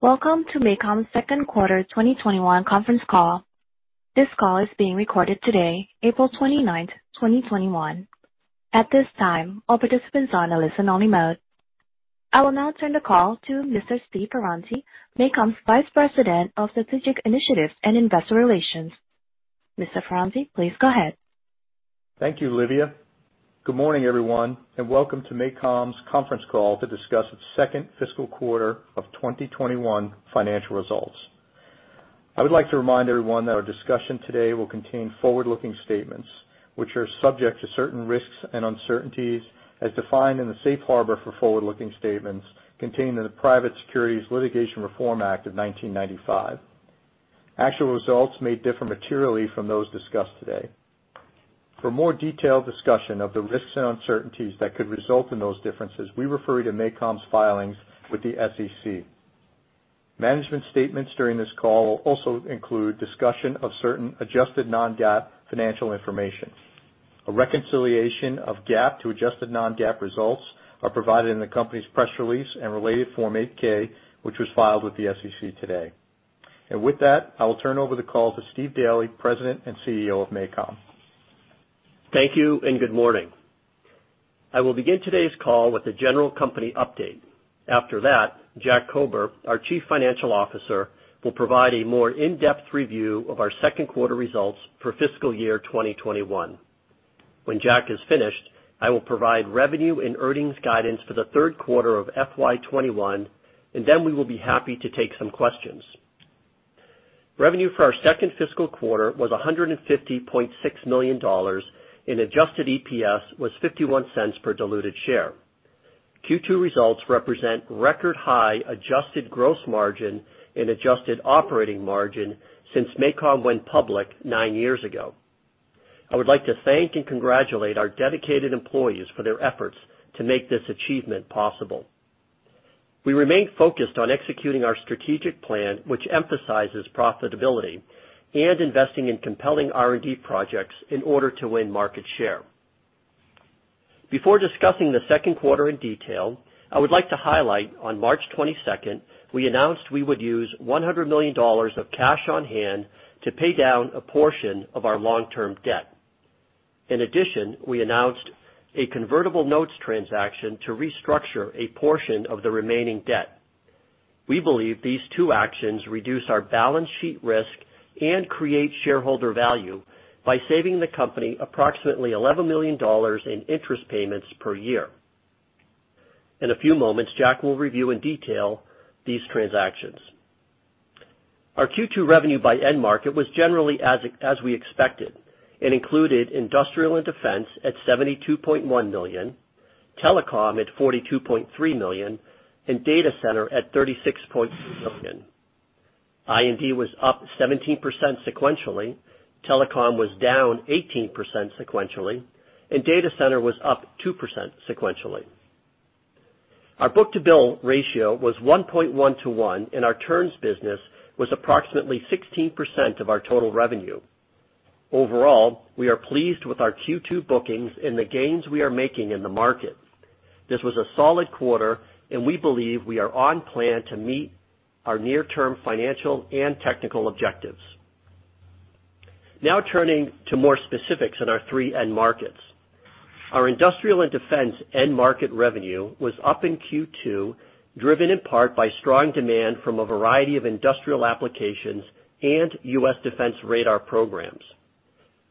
Welcome to MACOM's second quarter 2021 conference call. This call is being recorded today, April 29, 2021. At this time, all participants are on a listen-only mode. I will now turn the call to Mr. Steve Ferranti, MACOM's Vice President of Strategic Initiatives and Investor Relations. Mr. Ferranti, please go ahead. Thank you, Livia. Good morning, everyone, and welcome to MACOM's conference call to discuss its second fiscal quarter of 2021 financial results. I would like to remind everyone that our discussion today will contain forward-looking statements, which are subject to certain risks and uncertainties as defined in the safe harbor for forward-looking statements contained in the Private Securities Litigation Reform Act of 1995. Actual results may differ materially from those discussed today. For more detailed discussion of the risks and uncertainties that could result in those differences, we refer you to MACOM's filings with the SEC. Management statements during this call will also include discussion of certain adjusted non-GAAP financial information. A reconciliation of GAAP to adjusted non-GAAP results are provided in the company's press release and related Form 8-K, which was filed with the SEC today. With that, I will turn over the call to Steve Daly, President and CEO of MACOM. Thank you, and good morning. I will begin today's call with a general company update. After that, Jack Kober, our Chief Financial Officer, will provide a more in-depth review of our second quarter results for fiscal year 2021. When Jack is finished, I will provide revenue and earnings guidance for the third quarter of FY 2021, and then we will be happy to take some questions. Revenue for our second fiscal quarter was $150.6 million, and adjusted EPS was $0.51 per diluted share. Q2 results represent record high adjusted gross margin and adjusted operating margin since MACOM went public nine years ago. I would like to thank and congratulate our dedicated employees for their efforts to make this achievement possible. We remain focused on executing our strategic plan, which emphasizes profitability and investing in compelling R&D projects in order to win market share. Before discussing the second quarter in detail, I would like to highlight on March 22nd, we announced we would use $100 million of cash on hand to pay down a portion of our long-term debt. In addition, we announced a convertible notes transaction to restructure a portion of the remaining debt. We believe these two actions reduce our balance sheet risk and create shareholder value by saving the company approximately $11 million in interest payments per year. In a few moments, Jack will review in detail these transactions. Our Q2 revenue by end market was generally as we expected and included industrial and defense at $72.1 million, telecom at $42.3 million, and data center at $36.3 million. I&D was up 17% sequentially, telecom was down 18% sequentially, and data center was up 2% sequentially. Our book-to-bill ratio was 1.1:1, and our turns business was approximately 16% of our total revenue. Overall, we are pleased with our Q2 bookings and the gains we are making in the market. This was a solid quarter. We believe we are on plan to meet our near-term financial and technical objectives. Turning to more specifics on our three end markets. Our industrial and defense end market revenue was up in Q2, driven in part by strong demand from a variety of industrial applications and U.S. defense radar programs.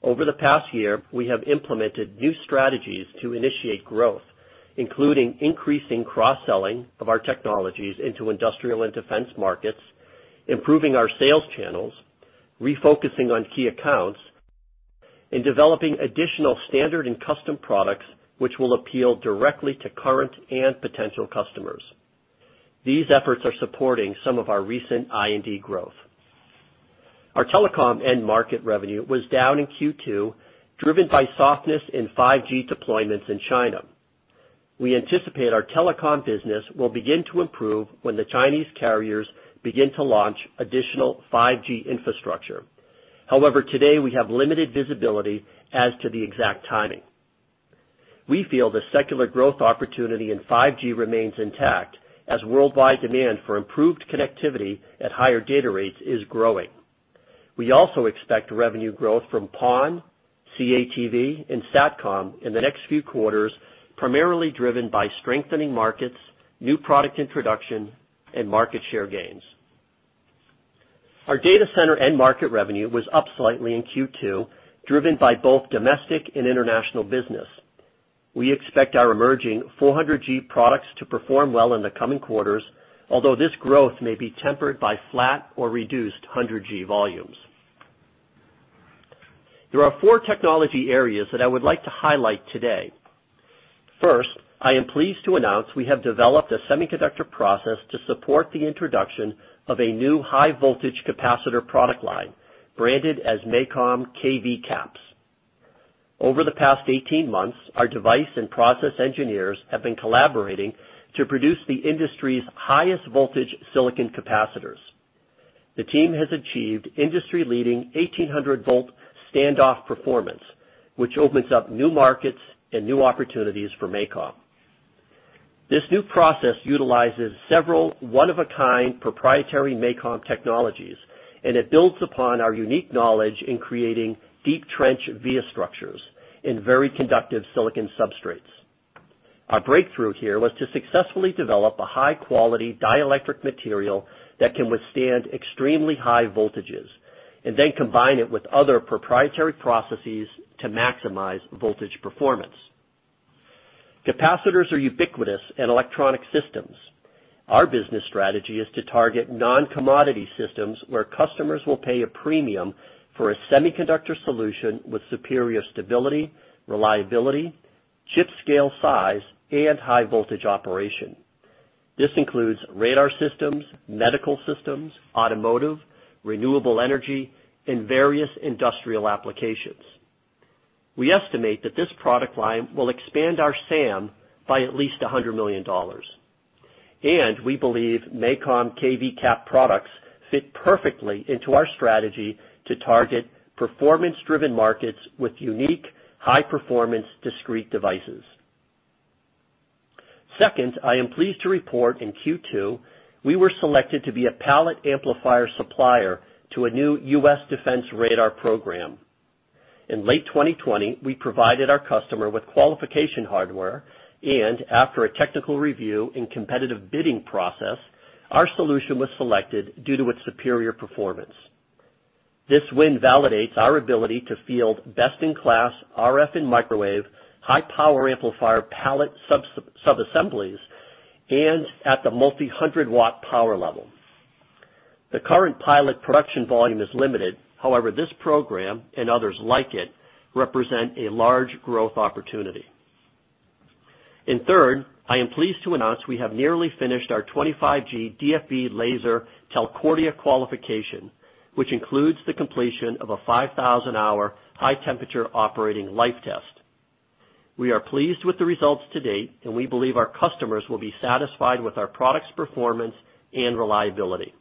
Over the past year, we have implemented new strategies to initiate growth, including increasing cross-selling of our technologies into industrial and defense markets, improving our sales channels, refocusing on key accounts, and developing additional standard and custom products which will appeal directly to current and potential customers. These efforts are supporting some of our recent I&D growth. Our telecom end market revenue was down in Q2, driven by softness in 5G deployments in China. We anticipate our telecom business will begin to improve when the Chinese carriers begin to launch additional 5G infrastructure. However, today we have limited visibility as to the exact timing. We feel the secular growth opportunity in 5G remains intact as worldwide demand for improved connectivity at higher data rates is growing. We also expect revenue growth from PON, CATV, and Satcom in the next few quarters, primarily driven by strengthening markets, new product introduction, and market share gains. Our data center end market revenue was up slightly in Q2, driven by both domestic and international business. We expect our emerging 400G products to perform well in the coming quarters, although this growth may be tempered by flat or reduced 100G volumes. There are four technology areas that I would like to highlight today. First, I am pleased to announce we have developed a semiconductor process to support the introduction of a new high-voltage capacitor product line branded as MACOM KV CAPS. Over the past 18 months, our device and process engineers have been collaborating to produce the industry's highest voltage silicon capacitors. The team has achieved industry-leading 1,800 V standoff performance, which opens up new markets and new opportunities for MACOM. This new process utilizes several one-of-a-kind proprietary MACOM technologies, and it builds upon our unique knowledge in creating deep trench via structures in very conductive silicon substrates. Our breakthrough here was to successfully develop a high-quality dielectric material that can withstand extremely high voltages, and then combine it with other proprietary processes to maximize voltage performance. Capacitors are ubiquitous in electronic systems. Our business strategy is to target non-commodity systems, where customers will pay a premium for a semiconductor solution with superior stability, reliability, chip-scale size, and high-voltage operation. This includes radar systems, medical systems, automotive, renewable energy, and various industrial applications. We estimate that this product line will expand our SAM by at least $100 million. We believe MACOM KV CAP products fit perfectly into our strategy to target performance-driven markets with unique, high-performance discrete devices. Second, I am pleased to report in Q2, we were selected to be a pallet amplifier supplier to a new U.S. defense radar program. In late 2020, we provided our customer with qualification hardware, and after a technical review and competitive bidding process, our solution was selected due to its superior performance. This win validates our ability to field best-in-class RF and microwave, high-power amplifier pallet sub-assemblies, and at the multi 100 W power level. The current pilot production volume is limited. However, this program, and others like it, represent a large growth opportunity. Third, I am pleased to announce we have nearly finished our 25G DFB laser Telcordia qualification, which includes the completion of a 5,000-hour high-temperature operating life test. We are pleased with the results to date, and we believe our customers will be satisfied with our product's performance and reliability.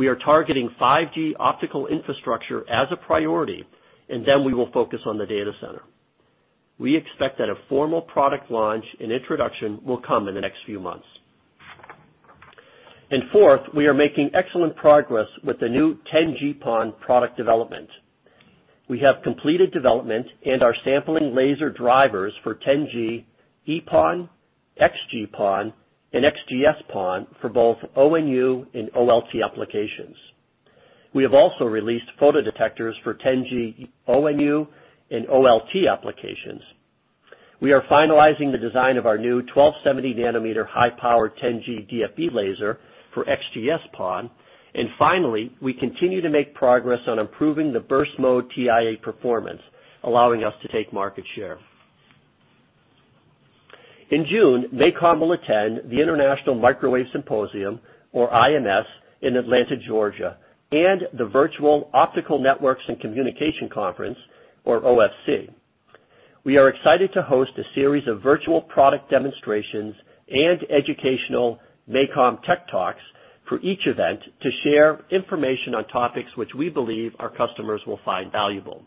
We are targeting 5G optical infrastructure as a priority, and then we will focus on the data center. We expect that a formal product launch and introduction will come in the next few months. Fourth, we are making excellent progress with the new 10G-PON product development. We have completed development and are sampling laser drivers for 10G-EPON, XG-PON, and XGS-PON for both ONU and OLT applications. We have also released photodetectors for 10G ONU and OLT applications. We are finalizing the design of our new 1,270 nanometer high-powered 10G DFB laser for XGS-PON. Finally, we continue to make progress on improving the burst mode TIA performance, allowing us to take market share. In June, MACOM will attend the International Microwave Symposium, or IMS, in Atlanta, Georgia, and the virtual Optical Fiber Communication Conference, or OFC. We are excited to host a series of virtual product demonstrations and educational MACOM tech talks for each event to share information on topics which we believe our customers will find valuable.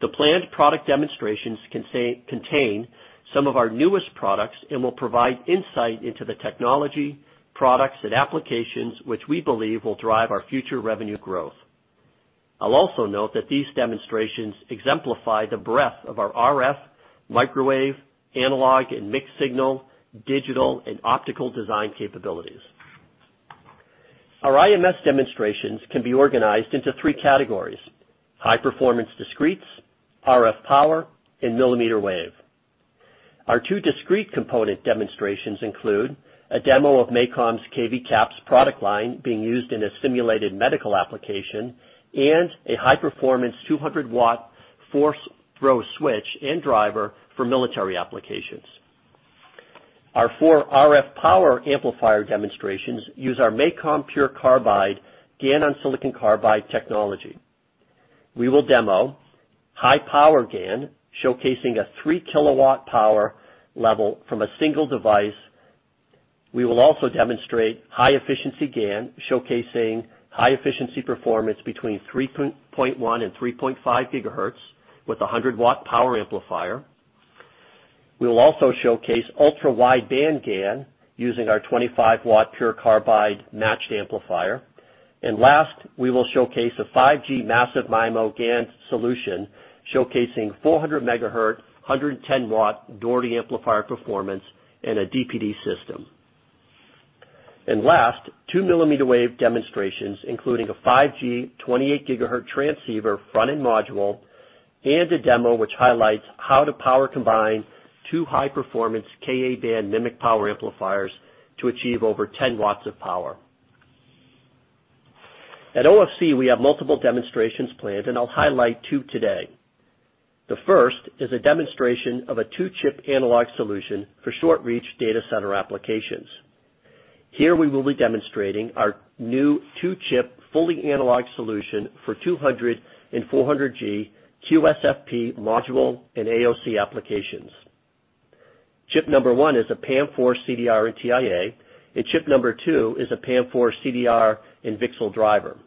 The planned product demonstrations contain some of our newest products and will provide insight into the technology, products, and applications which we believe will drive our future revenue growth. I'll also note that these demonstrations exemplify the breadth of our RF, microwave, analog and mixed signal, digital, and optical design capabilities. Our IMS demonstrations can be organized into three categories: high-performance discretes, RF power, and millimeter wave. Our two discrete component demonstrations include a demo of MACOM's KV CAPS product line being used in a simulated medical application and a high-performance 200 W four-throw switch and driver for military applications. Our four RF power amplifier demonstrations use our MACOM PURE CARBIDE GaN on silicon carbide technology. We will demo high-power GaN, showcasing a 3 kW power level from a single device. We will also demonstrate high-efficiency GaN, showcasing high-efficiency performance between 3.1 and 3.5 GHz with 100 W power amplifier. We will also showcase ultra-wide band GaN using our 25 W PURE CARBIDE matched amplifier. Last, we will showcase a 5G massive MIMO GaN solution, showcasing 400 MHz, 110 W Doherty amplifier performance in a DPD system. Last, two millimeter wave demonstrations, including a 5G 28 GHz transceiver front-end module and a demo which highlights how to power combine two high-performance Ka-band MMIC power amplifiers to achieve over 10 W of power. At OFC, we have multiple demonstrations planned, and I'll highlight two today. The first is a demonstration of a two-chip analog solution for short-reach data center applications. Here we will be demonstrating our new two-chip, fully analog solution for 200 and 400G QSFP module and AOC applications. Chip number one is a PAM4 CDR and TIA, and chip number two is a PAM4 CDR and VCSEL driver.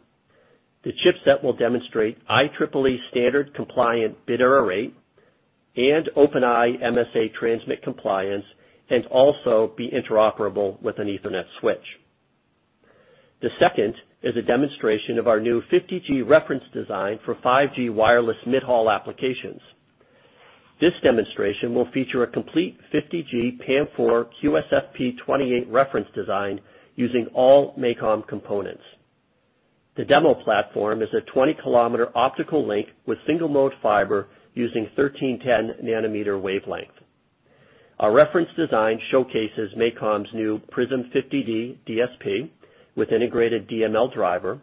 The chipset will demonstrate IEEE standard compliant bit error rate and Open Eye MSA transmit compliance and also be interoperable with an Ethernet switch. The second is a demonstration of our new 50G reference design for 5G wireless mid-haul applications. This demonstration will feature a complete 50G PAM4 QSFP28 reference design using all MACOM components. The demo platform is a 20 km optical link with single-mode fiber using 1310 nm wavelength. Our reference design showcases MACOM's new PRISM-50D DSP with integrated DML driver,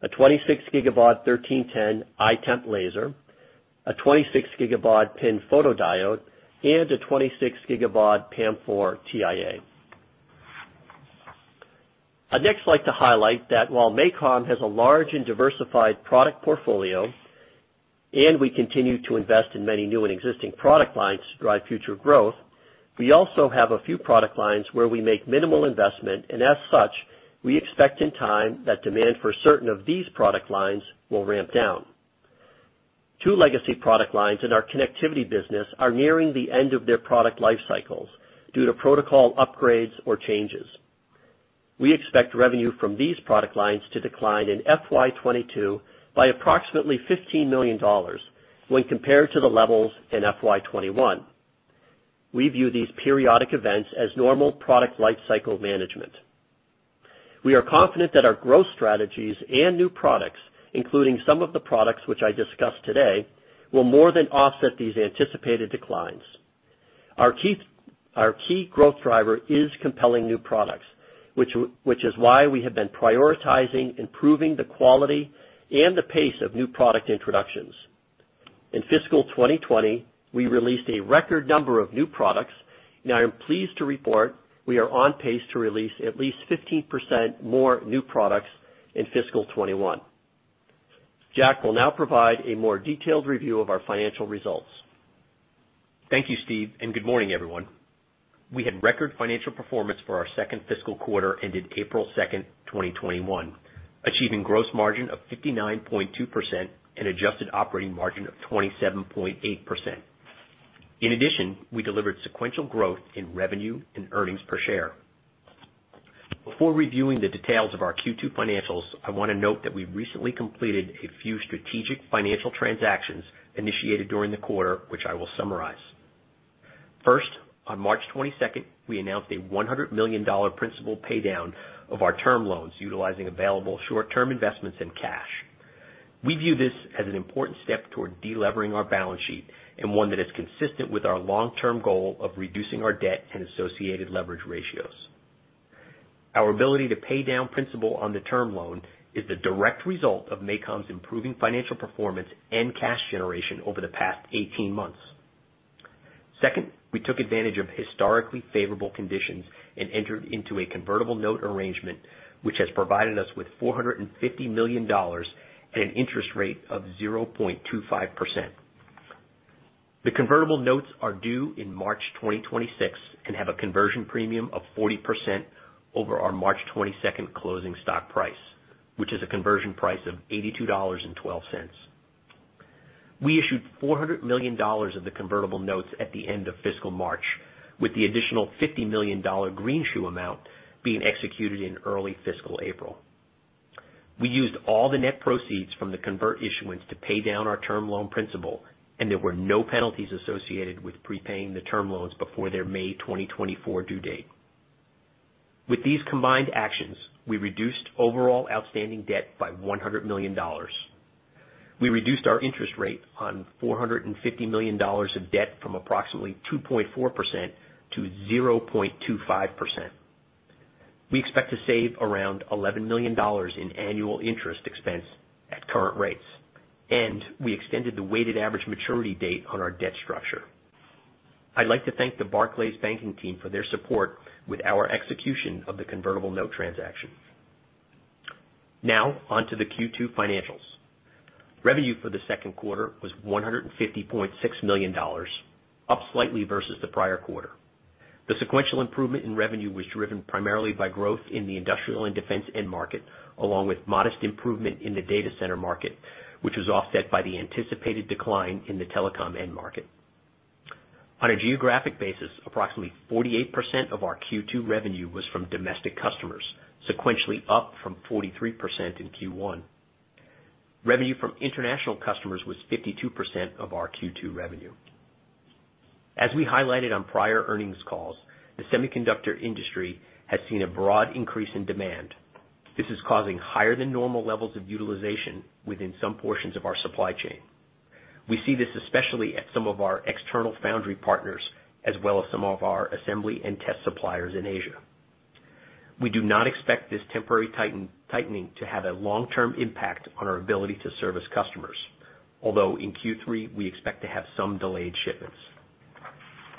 a 26 GBd 1310 I-Temp laser, a 26 GBd PIN photodiode, and a 26 gigabaud PAM4 TIA. I'd next like to highlight that while MACOM has a large and diversified product portfolio and we continue to invest in many new and existing product lines to drive future growth, we also have a few product lines where we make minimal investment, and as such, we expect in time that demand for certain of these product lines will ramp down. Two legacy product lines in our connectivity business are nearing the end of their product life cycles due to protocol upgrades or changes. We expect revenue from these product lines to decline in FY 2022 by approximately $15 million when compared to the levels in FY 2021. We view these periodic events as normal product lifecycle management. We are confident that our growth strategies and new products, including some of the products which I discussed today, will more than offset these anticipated declines. Our key growth driver is compelling new products, which is why we have been prioritizing improving the quality and the pace of new product introductions. In fiscal 2020, we released a record number of new products, and I am pleased to report we are on pace to release at least 15% more new products in fiscal 2021. Jack will now provide a more detailed review of our financial results. Thank you, Steve, and good morning, everyone. We had record financial performance for our second fiscal quarter, ended April 2nd, 2021, achieving gross margin of 59.2% and adjusted operating margin of 27.8%. In addition, we delivered sequential growth in revenue and earnings per share. Before reviewing the details of our Q2 financials, I want to note that we've recently completed a few strategic financial transactions initiated during the quarter, which I will summarize. First, on March 22nd, we announced a $100 million principal paydown of our term loans utilizing available short-term investments in cash. We view this as an important step toward de-levering our balance sheet and one that is consistent with our long-term goal of reducing our debt and associated leverage ratios. Our ability to pay down principal on the term loan is the direct result of MACOM's improving financial performance and cash generation over the past 18 months. We took advantage of historically favorable conditions and entered into a convertible note arrangement, which has provided us with $450 million at an interest rate of 0.25%. The convertible notes are due in March 2026 and have a conversion premium of 40% over our March 22nd closing stock price, which is a conversion price of $82.12. We issued $400 million of the convertible notes at the end of fiscal March, with the additional $50 million greenshoe amount being executed in early fiscal April. We used all the net proceeds from the convert issuance to pay down our term loan principal, there were no penalties associated with prepaying the term loans before their May 2024 due date. With these combined actions, we reduced overall outstanding debt by $100 million. We reduced our interest rate on $450 million of debt from approximately 2.4% to 0.25%. We expect to save around $11 million in annual interest expense at current rates. We extended the weighted average maturity date on our debt structure. I'd like to thank the Barclays banking team for their support with our execution of the convertible note transaction. On to the Q2 financials. Revenue for the second quarter was $150.6 million, up slightly versus the prior quarter. The sequential improvement in revenue was driven primarily by growth in the industrial and defense end market, along with modest improvement in the data center market, which was offset by the anticipated decline in the telecom end market. On a geographic basis, approximately 48% of our Q2 revenue was from domestic customers, sequentially up from 43% in Q1. Revenue from international customers was 52% of our Q2 revenue. As we highlighted on prior earnings calls, the semiconductor industry has seen a broad increase in demand. This is causing higher than normal levels of utilization within some portions of our supply chain. We see this especially at some of our external foundry partners, as well as some of our assembly and test suppliers in Asia. We do not expect this temporary tightening to have a long-term impact on our ability to service customers. Although in Q3, we expect to have some delayed shipments.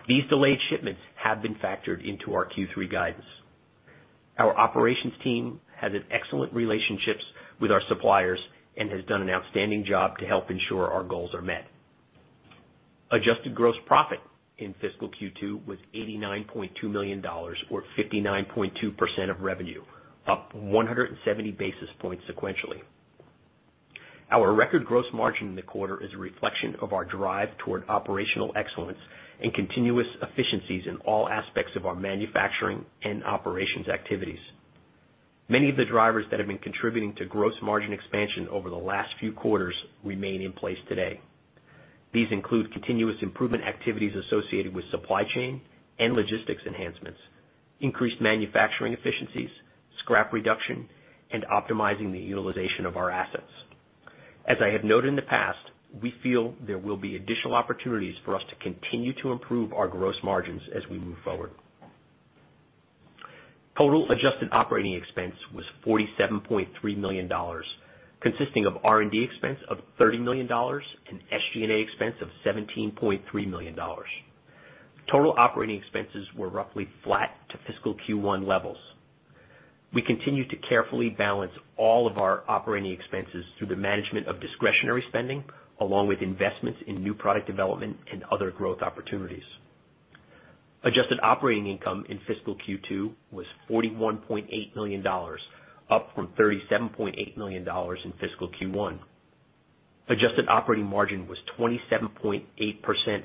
These delayed shipments have been factored into our Q3 guidance. Our operations team has an excellent relationships with our suppliers and has done an outstanding job to help ensure our goals are met. Adjusted gross profit in fiscal Q2 was $89.2 million, or 59.2% of revenue, up 170 basis points sequentially. Our record gross margin in the quarter is a reflection of our drive toward operational excellence and continuous efficiencies in all aspects of our manufacturing and operations activities. Many of the drivers that have been contributing to gross margin expansion over the last few quarters remain in place today. These include continuous improvement activities associated with supply chain and logistics enhancements, increased manufacturing efficiencies, scrap reduction, and optimizing the utilization of our assets. As I have noted in the past, we feel there will be additional opportunities for us to continue to improve our gross margins as we move forward. Total adjusted operating expense was $47.3 million, consisting of R&D expense of $30 million and SG&A expense of $17.3 million. Total operating expenses were roughly flat to fiscal Q1 levels. We continue to carefully balance all of our operating expenses through the management of discretionary spending, along with investments in new product development and other growth opportunities. Adjusted operating income in fiscal Q2 was $41.8 million, up from $37.8 million in fiscal Q1. Adjusted operating margin was 27.8%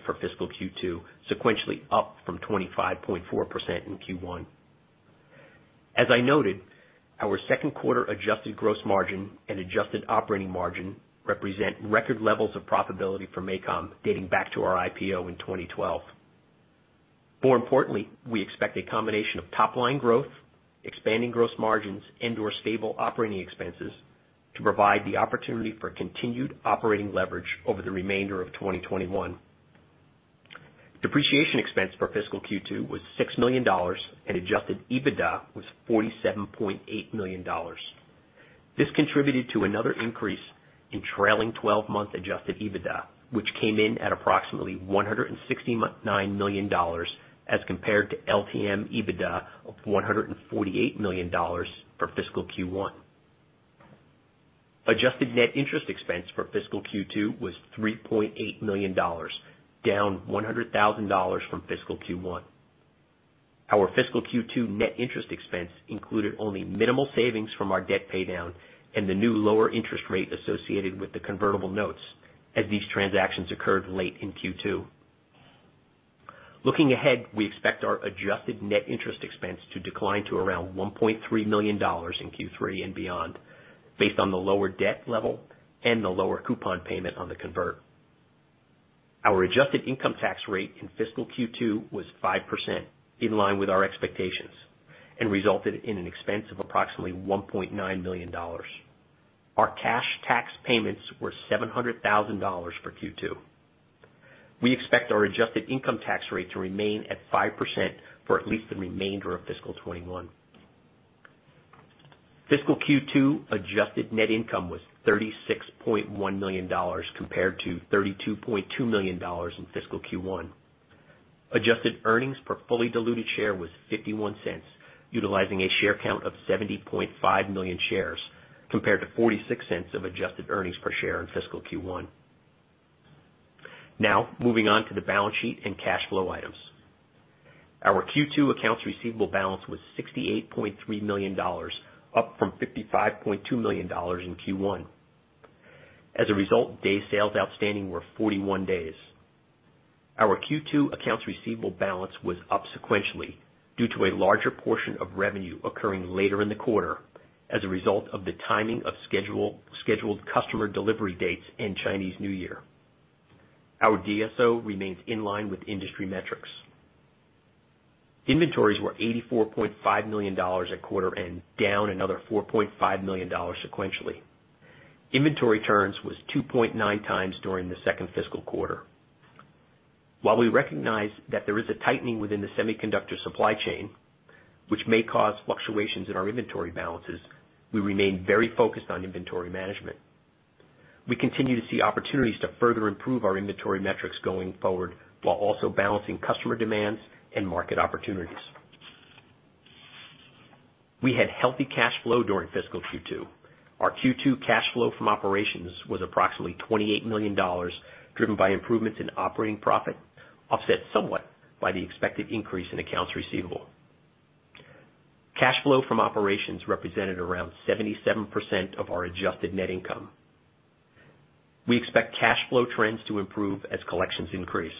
for fiscal Q2, sequentially up from 25.4% in Q1. As I noted, our second quarter adjusted gross margin and adjusted operating margin represent record levels of profitability for MACOM, dating back to our IPO in 2012. More importantly, we expect a combination of top-line growth, expanding gross margins, and/or stable operating expenses to provide the opportunity for continued operating leverage over the remainder of 2021. Depreciation expense for fiscal Q2 was $6 million, and adjusted EBITDA was $47.8 million. This contributed to another increase in trailing 12-month adjusted EBITDA, which came in at approximately $169 million as compared to LTM EBITDA of $148 million for fiscal Q1. Adjusted net interest expense for fiscal Q2 was $3.8 million, down $100,000 from fiscal Q1. Our fiscal Q2 net interest expense included only minimal savings from our debt paydown and the new lower interest rate associated with the convertible notes, as these transactions occurred late in Q2. Looking ahead, we expect our adjusted net interest expense to decline to around $1.3 million in Q3 and beyond based on the lower debt level and the lower coupon payment on the convert. Our adjusted income tax rate in fiscal Q2 was 5%, in line with our expectations, and resulted in an expense of approximately $1.9 million. Our cash tax payments were $700,000 for Q2. We expect our adjusted income tax rate to remain at 5% for at least the remainder of fiscal 2021. Fiscal Q2 adjusted net income was $36.1 million compared to $32.2 million in fiscal Q1. Adjusted earnings per fully diluted share was $0.51, utilizing a share count of 70.5 million shares, compared to $0.46 of adjusted earnings per share in fiscal Q1. Moving on to the balance sheet and cash flow items. Our Q2 accounts receivable balance was $68.3 million, up from $55.2 million in Q1. Day sales outstanding were 41 days. Our Q2 accounts receivable balance was up sequentially due to a larger portion of revenue occurring later in the quarter as a result of the timing of scheduled customer delivery dates and Chinese New Year. Our DSO remains in line with industry metrics. Inventories were $84.5 million at quarter end, down another $4.5 million sequentially. Inventory turns was 2.9x during the second fiscal quarter. While we recognize that there is a tightening within the semiconductor supply chain, which may cause fluctuations in our inventory balances, we remain very focused on inventory management. We continue to see opportunities to further improve our inventory metrics going forward while also balancing customer demands and market opportunities. We had healthy cash flow during fiscal Q2. Our Q2 cash flow from operations was approximately $28 million, driven by improvements in operating profit, offset somewhat by the expected increase in accounts receivable. Cash flow from operations represented around 77% of our adjusted net income. We expect cash flow trends to improve as collections increase,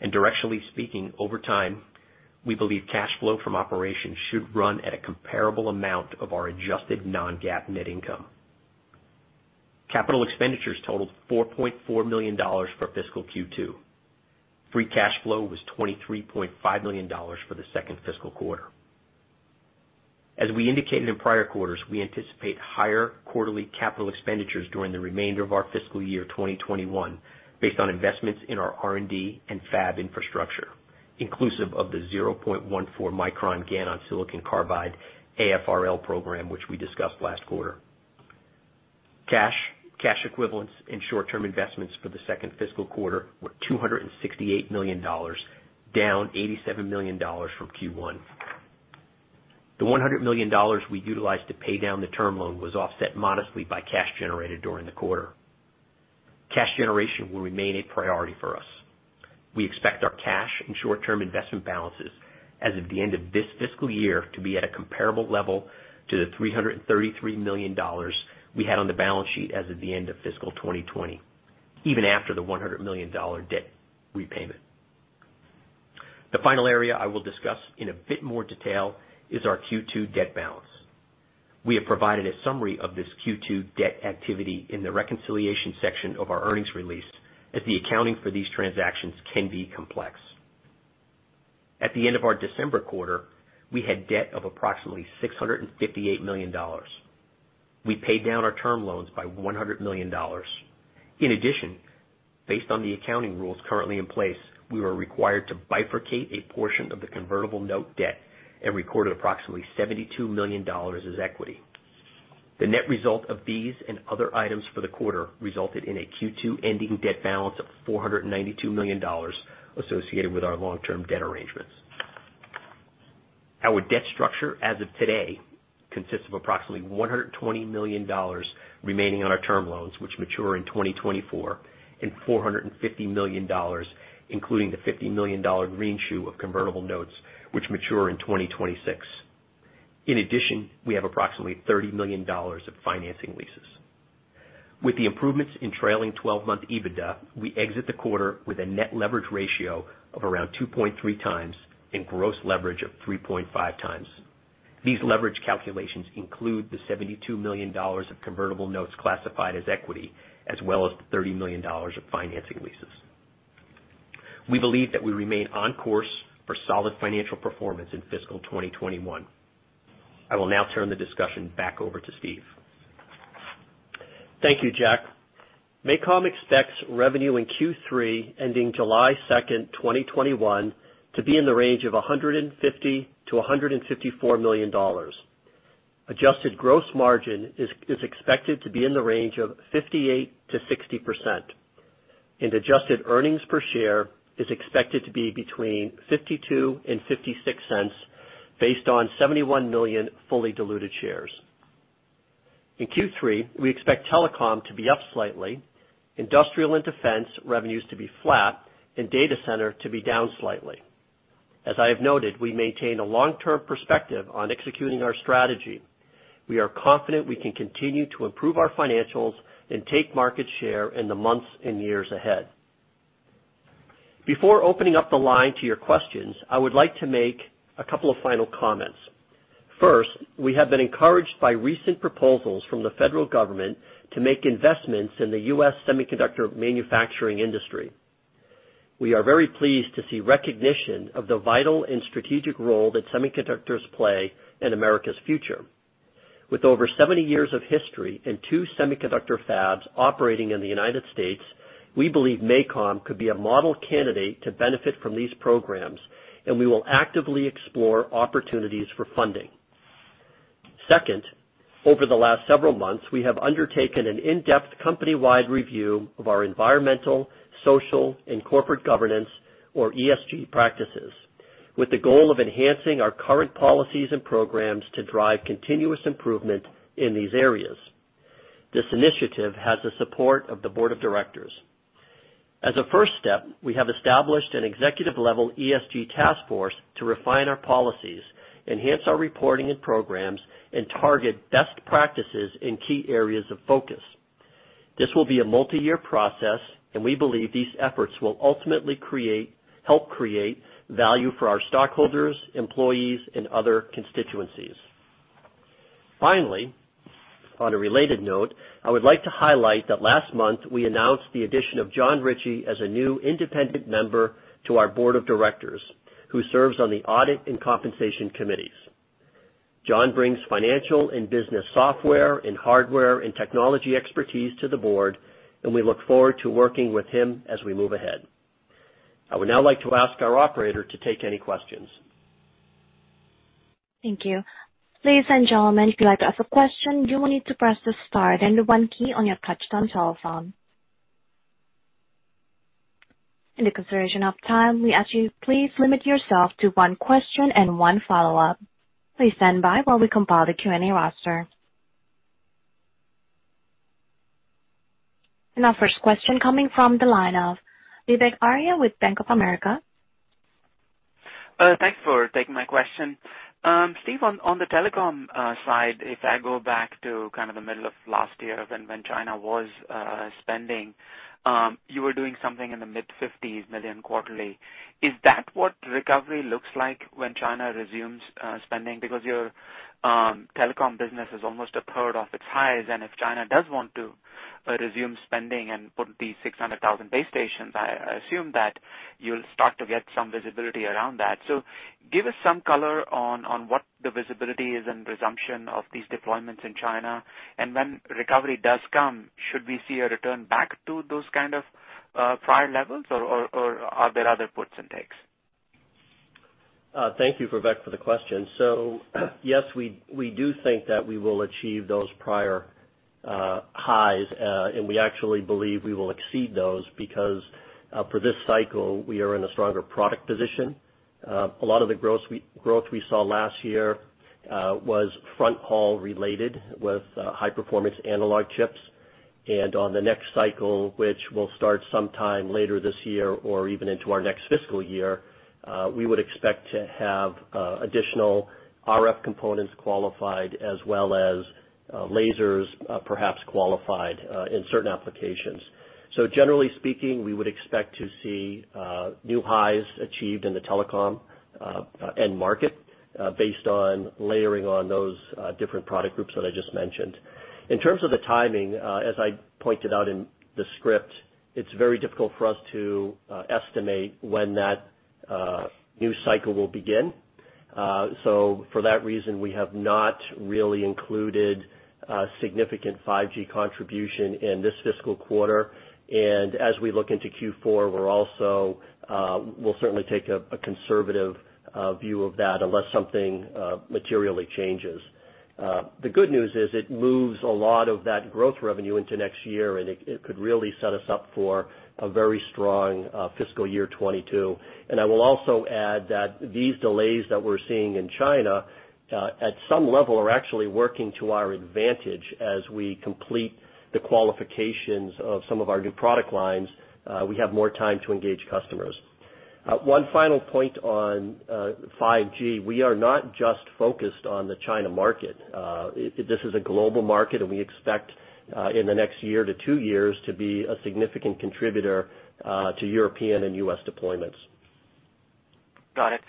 and directionally speaking, over time, we believe cash flow from operations should run at a comparable amount of our adjusted non-GAAP net income. Capital expenditures totaled $4.4 million for fiscal Q2. Free cash flow was $23.5 million for the second fiscal quarter. As we indicated in prior quarters, we anticipate higher quarterly capital expenditures during the remainder of our fiscal year 2021 based on investments in our R&D and fab infrastructure, inclusive of the 0.14 micron GaN-on-SiC AFRL program, which we discussed last quarter. Cash equivalents and short-term investments for the second fiscal quarter were $268 million, down $87 million from Q1. The $100 million we utilized to pay down the term loan was offset modestly by cash generated during the quarter. Cash generation will remain a priority for us. We expect our cash and short-term investment balances as of the end of this fiscal year to be at a comparable level to the $333 million we had on the balance sheet as of the end of fiscal 2020, even after the $100 million debt repayment. The final area I will discuss in a bit more detail is our Q2 debt balance. We have provided a summary of this Q2 debt activity in the reconciliation section of our earnings release, as the accounting for these transactions can be complex. At the end of our December quarter, we had debt of approximately $658 million. We paid down our term loans by $100 million. In addition, based on the accounting rules currently in place, we were required to bifurcate a portion of the convertible note debt and recorded approximately $72 million as equity. The net result of these and other items for the quarter resulted in a Q2 ending debt balance of $492 million associated with our long-term debt arrangements. Our debt structure as of today consists of approximately $120 million remaining on our term loans, which mature in 2024, and $450 million, including the $50 million greenshoe of convertible notes, which mature in 2026. In addition, we have approximately $30 million of financing leases. With the improvements in trailing 12-month EBITDA, we exit the quarter with a net leverage ratio of around 2.3x and gross leverage of 3.5x. These leverage calculations include the $72 million of convertible notes classified as equity, as well as the $30 million of financing leases. We believe that we remain on course for solid financial performance in fiscal 2021. I will now turn the discussion back over to Steve. Thank you, Jack. MACOM expects revenue in Q3 ending July 2nd, 2021, to be in the range of $150 million-$154 million. Adjusted gross margin is expected to be in the range of 58%-60%, and adjusted earnings per share is expected to be between $0.52 and $0.56 based on 71 million fully diluted shares. In Q3, we expect telecom to be up slightly, industrial and defense revenues to be flat, and data center to be down slightly. As I have noted, we maintain a long-term perspective on executing our strategy. We are confident we can continue to improve our financials and take market share in the months and years ahead. Before opening up the line to your questions, I would like to make a couple of final comments. First, we have been encouraged by recent proposals from the federal government to make investments in the U.S. semiconductor manufacturing industry. We are very pleased to see recognition of the vital and strategic role that semiconductors play in America's future. With over 70 years of history and two semiconductor fabs operating in the United States, we believe MACOM could be a model candidate to benefit from these programs, and we will actively explore opportunities for funding. Second, over the last several months, we have undertaken an in-depth company-wide review of our environmental, social, and corporate governance, or ESG practices, with the goal of enhancing our current policies and programs to drive continuous improvement in these areas. This initiative has the support of the board of directors. As a first step, we have established an executive-level ESG task force to refine our policies, enhance our reporting and programs, and target best practices in key areas of focus. This will be a multi-year process, and we believe these efforts will ultimately help create value for our stockholders, employees, and other constituencies. On a related note, I would like to highlight that last month we announced the addition of John Ritchie as a new independent member to our board of directors, who serves on the Audit and Compensation Committees. John brings financial and business software and hardware and technology expertise to the board, and we look forward to working with him as we move ahead. I would now like to ask our operator to take any questions. Thank you. Ladies and gentlemen, if you'd like to ask a question, you will need to press the star then the one key on your touch-tone telephone. In the consideration of time, we ask you to please limit yourself to one question and one follow-up. Please stand by while we compile the Q&A roster. Our first question coming from the line of Vivek Arya with Bank of America. Thanks for taking my question. Steve, on the telecom side, if I go back to kind of the middle of last year when China was spending, you were doing something in the mid-$50s million quarterly. Is that what recovery looks like when China resumes spending? Because your telecom business is almost a third of its highs, and if China does want to resume spending and put these 600,000 base stations, I assume that you'll start to get some visibility around that. Give us some color on what the visibility is and resumption of these deployments in China. When recovery does come, should we see a return back to those kind of prior levels, or are there other puts and takes? Thank you, Vivek, for the question. Yes, we do think that we will achieve those prior highs, and we actually believe we will exceed those, because for this cycle, we are in a stronger product position. A lot of the growth we saw last year was fronthaul related with high-performance analog chips. On the next cycle, which will start sometime later this year or even into our next fiscal year, we would expect to have additional RF components qualified, as well as lasers perhaps qualified in certain applications. Generally speaking, we would expect to see new highs achieved in the telecom end market based on layering on those different product groups that I just mentioned. In terms of the timing, as I pointed out in the script, it's very difficult for us to estimate when that new cycle will begin. For that reason, we have not really included a significant 5G contribution in this fiscal quarter. As we look into Q4, we will certainly take a conservative view of that unless something materially changes. The good news is it moves a lot of that growth revenue into next year, and it could really set us up for a very strong fiscal year 2022. I will also add that these delays that we are seeing in China, at some level, are actually working to our advantage as we complete the qualifications of some of our new product lines. We have more time to engage customers. One final point on 5G, we are not just focused on the China market. This is a global market, and we expect in the next year to two years to be a significant contributor to European and U.S. deployments. Got it.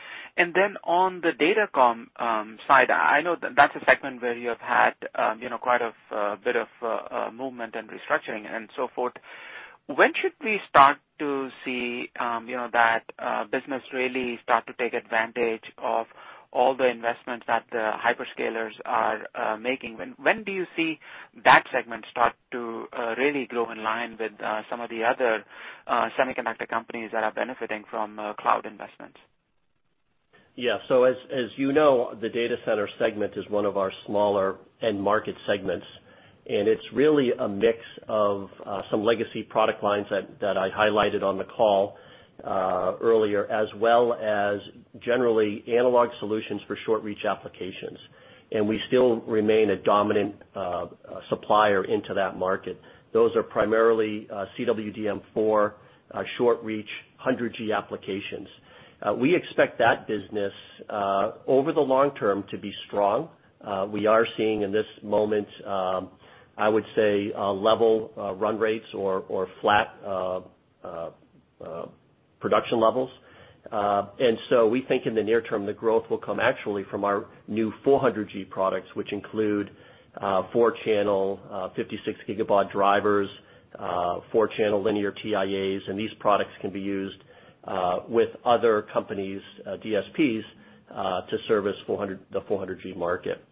On the Datacom side, I know that's a segment where you have had quite a bit of movement and restructuring and so forth. When should we start to see that business really start to take advantage of all the investments that the hyperscalers are making? When do you see that segment start to really grow in line with some of the other semiconductor companies that are benefiting from cloud investments? As you know, the data center segment is one of our smaller end market segments. It's really a mix of some legacy product lines that I highlighted on the call earlier, as well as generally analog solutions for short-reach applications. We still remain a dominant supplier into that market. Those are primarily CWDM for short-reach 100G applications. We expect that business over the long term to be strong. We are seeing in this moment, I would say, level run rates or flat production levels. We think in the near term, the growth will come actually from our new 400G products, which include four-channel 56 gigabaud drivers, four-channel linear TIAs. These products can be used with other companies' DSPs to service the 400G market.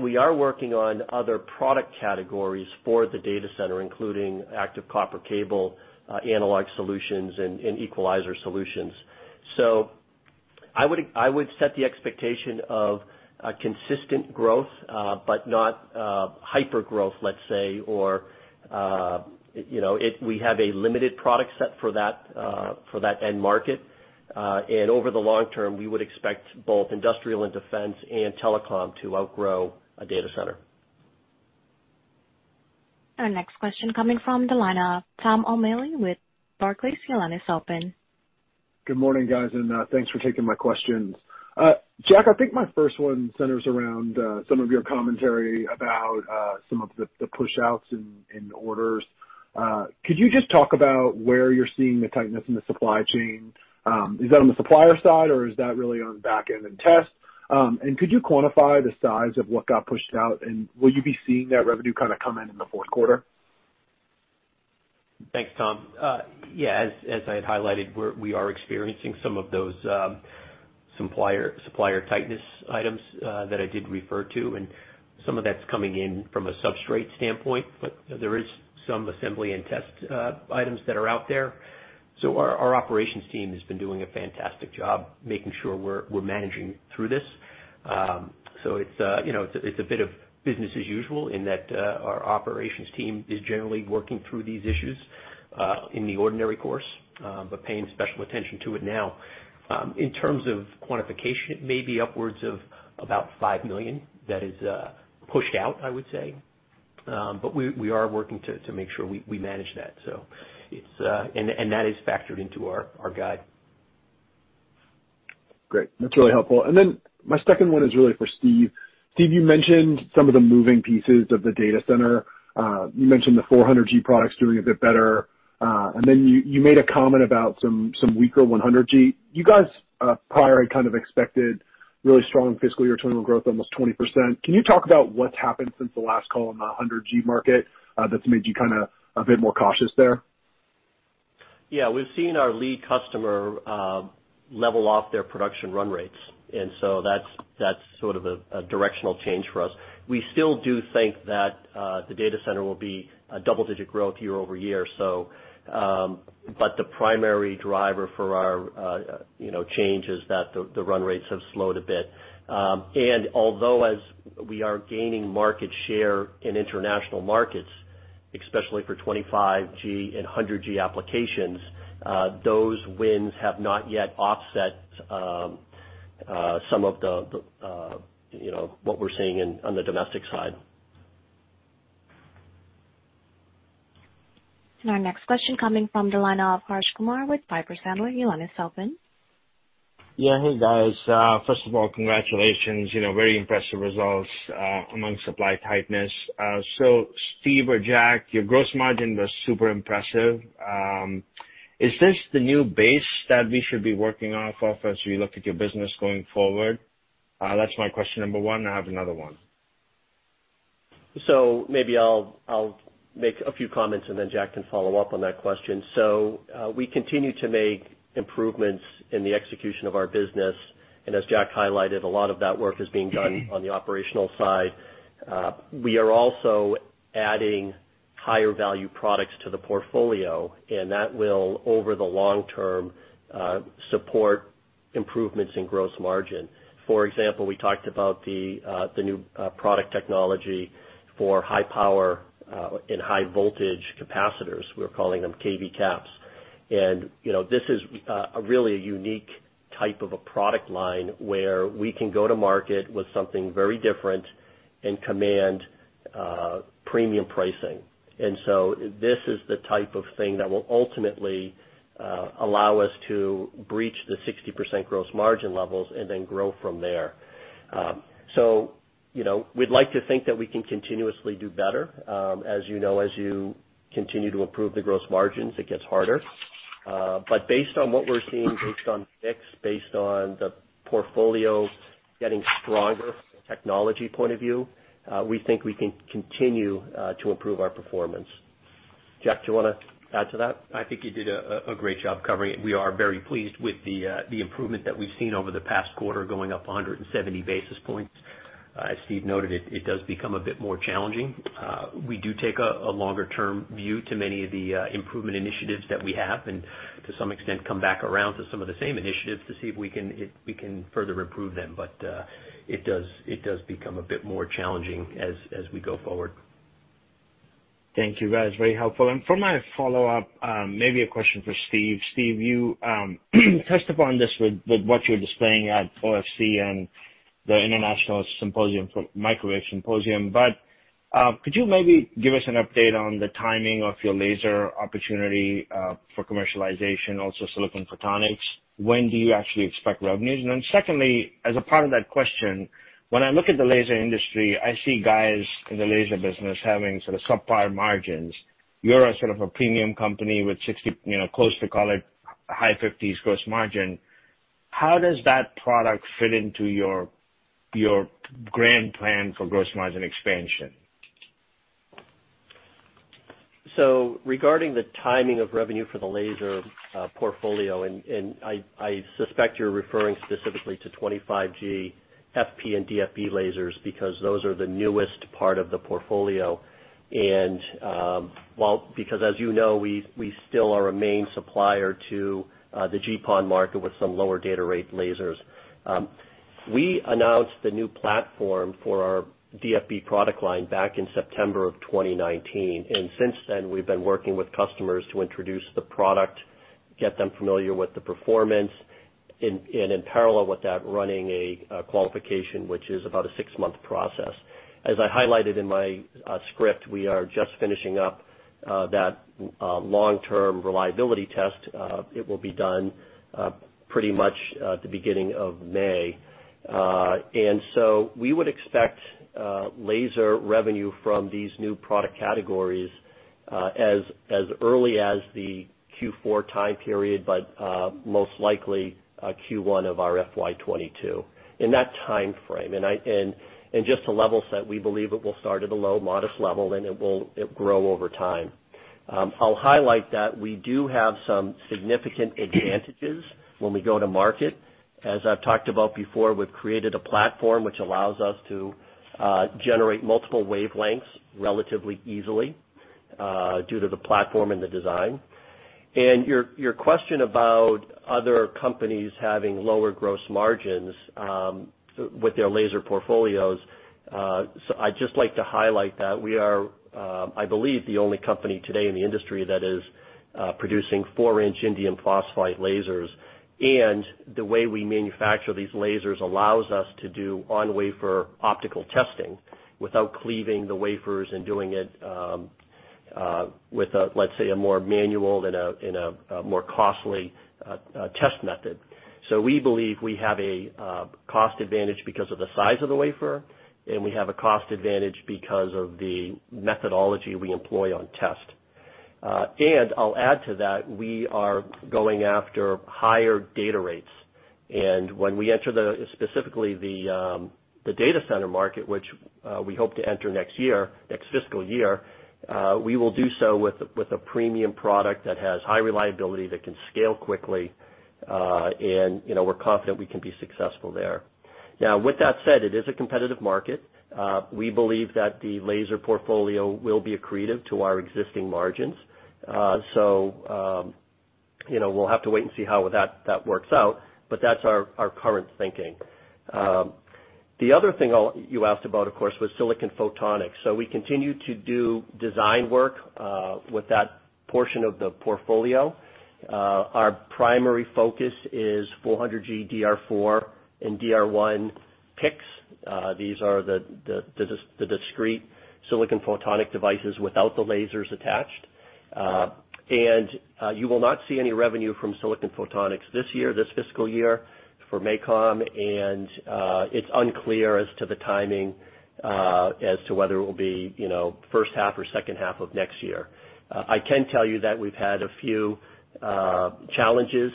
We are working on other product categories for the data center, including active copper cable analog solutions and equalizer solutions. I would set the expectation of a consistent growth, but not hypergrowth, let's say. We have a limited product set for that end market. Over the long term, we would expect both industrial and defense and telecom to outgrow a data center. Our next question coming from the line of Tom O'Malley with Barclays. Your line is open. Good morning, guys. Thanks for taking my questions. Jack, I think my first one centers around some of your commentary about some of the pushouts in orders. Could you just talk about where you're seeing the tightness in the supply chain? Is that on the supplier side or is that really on back-end and test? Could you quantify the size of what got pushed out, and will you be seeing that revenue kind of come in in the fourth quarter? Thanks, Tom. As I had highlighted, we are experiencing some of those supplier tightness items that I did refer to. Some of that's coming in from a substrate standpoint, but there is some assembly and test items that are out there. Our operations team has been doing a fantastic job making sure we're managing through this. It's a bit of business as usual in that our operations team is generally working through these issues in the ordinary course, but paying special attention to it now. In terms of quantification, it may be upwards of about $5 million that is pushed out, I would say. We are working to make sure we manage that. That is factored into our guide. Great. That's really helpful. My second one is really for Steve. Steve, you mentioned some of the moving pieces of the data center. You mentioned the 400G products doing a bit better. You made a comment about some weaker 100G. You guys prior had kind of expected really strong fiscal year terminal growth, almost 20%. Can you talk about what's happened since the last call on the 100G market that's made you kind of a bit more cautious there? Yeah. We've seen our lead customer level off their production run rates. So that's sort of a directional change for us. We still do think that the data center will be a double-digit growth year-over-year. The primary driver for our change is that the run rates have slowed a bit. Although as we are gaining market share in international markets, especially for 25G and 100G applications, those wins have not yet offset some of what we're seeing on the domestic side. Our next question coming from the line of Harsh Kumar with Piper Sandler. Yeah. Hey, guys. First of all, congratulations. Very impressive results among supply tightness. Steve or Jack, your gross margin was super impressive. Is this the new base that we should be working off of as we look at your business going forward? That's my question number one. I have another one. Maybe I'll make a few comments and then Jack can follow up on that question. We continue to make improvements in the execution of our business, and as Jack highlighted, a lot of that work is being done on the operational side. We are also adding higher value products to the portfolio, and that will, over the long term, support improvements in gross margin. For example, we talked about the new product technology for high power and high voltage capacitors. We're calling them KV CAPS. This is really a unique type of a product line where we can go to market with something very different and command premium pricing. This is the type of thing that will ultimately allow us to breach the 60% gross margin levels and then grow from there. We'd like to think that we can continuously do better. As you know, as you continue to improve the gross margins, it gets harder. Based on what we're seeing, based on mix, based on the portfolio getting stronger from a technology point of view, we think we can continue to improve our performance. Jack, do you want to add to that? I think you did a great job covering it. We are very pleased with the improvement that we've seen over the past quarter, going up 170 basis points. As Steve noted, it does become a bit more challenging. We do take a longer-term view to many of the improvement initiatives that we have, and to some extent, come back around to some of the same initiatives to see if we can further improve them. It does become a bit more challenging as we go forward. Thank you, guys. Very helpful. For my follow-up, maybe a question for Steve. Steve, you touched upon this with what you're displaying at OFC and the International Microwave Symposium. Could you maybe give us an update on the timing of your laser opportunity for commercialization, also silicon photonics? When do you actually expect revenues? Secondly, as a part of that question, when I look at the laser industry, I see guys in the laser business having sort of sub-par margins. You're a sort of a premium company with close to, call it, high 50s gross margin. How does that product fit into your grand plan for gross margin expansion? Regarding the timing of revenue for the laser portfolio, and I suspect you're referring specifically to 25G FP and DFB lasers because those are the newest part of the portfolio. Because as you know, we still are a main supplier to the GPON market with some lower data rate lasers. We announced the new platform for our DFB product line back in September of 2019. Since then, we've been working with customers to introduce the product, get them familiar with the performance, and in parallel with that, running a qualification, which is about a six-month process. As I highlighted in my script, we are just finishing up that long-term reliability test. It will be done pretty much at the beginning of May. We would expect laser revenue from these new product categories as early as the Q4 time period, but most likely Q1 of our FY 2022, in that timeframe. Just to level set, we believe it will start at a low modest level, and it will grow over time. I'll highlight that we do have some significant advantages when we go to market. As I've talked about before, we've created a platform which allows us to generate multiple wavelengths relatively easily due to the platform and the design. Your question about other companies having lower gross margins with their laser portfolios. I'd just like to highlight that we are, I believe, the only company today in the industry that is producing 4 inch indium phosphide lasers. The way we manufacture these lasers allows us to do on-wafer optical testing without cleaving the wafers and doing it with let's say, a more manual and a more costly test method. We believe we have a cost advantage because of the size of the wafer, and we have a cost advantage because of the methodology we employ on test. I'll add to that, we are going after higher data rates, and when we enter specifically the data center market, which we hope to enter next fiscal year, we will do so with a premium product that has high reliability, that can scale quickly. We're confident we can be successful there. Now, with that said, it is a competitive market. We believe that the laser portfolio will be accretive to our existing margins. We'll have to wait and see how that works out, but that's our current thinking. The other thing you asked about, of course, was silicon photonics. We continue to do design work with that portion of the portfolio. Our primary focus is 400G DR4 and DR1 PICs. These are the discrete silicon photonic devices without the lasers attached. You will not see any revenue from silicon photonics this year, this fiscal year for MACOM, and it's unclear as to the timing as to whether it will be first half or second half of next year. I can tell you that we've had a few challenges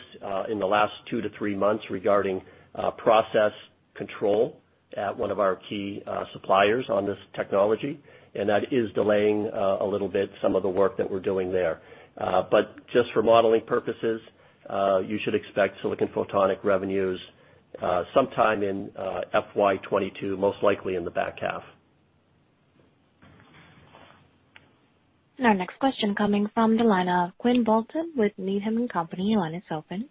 in the last two to three months regarding process control at one of our key suppliers on this technology, and that is delaying a little bit some of the work that we're doing there. Just for modeling purposes, you should expect silicon photonic revenues sometime in FY 2022, most likely in the back half. Our next question coming from the line of Quinn Bolton with Needham & Company. Your line is open.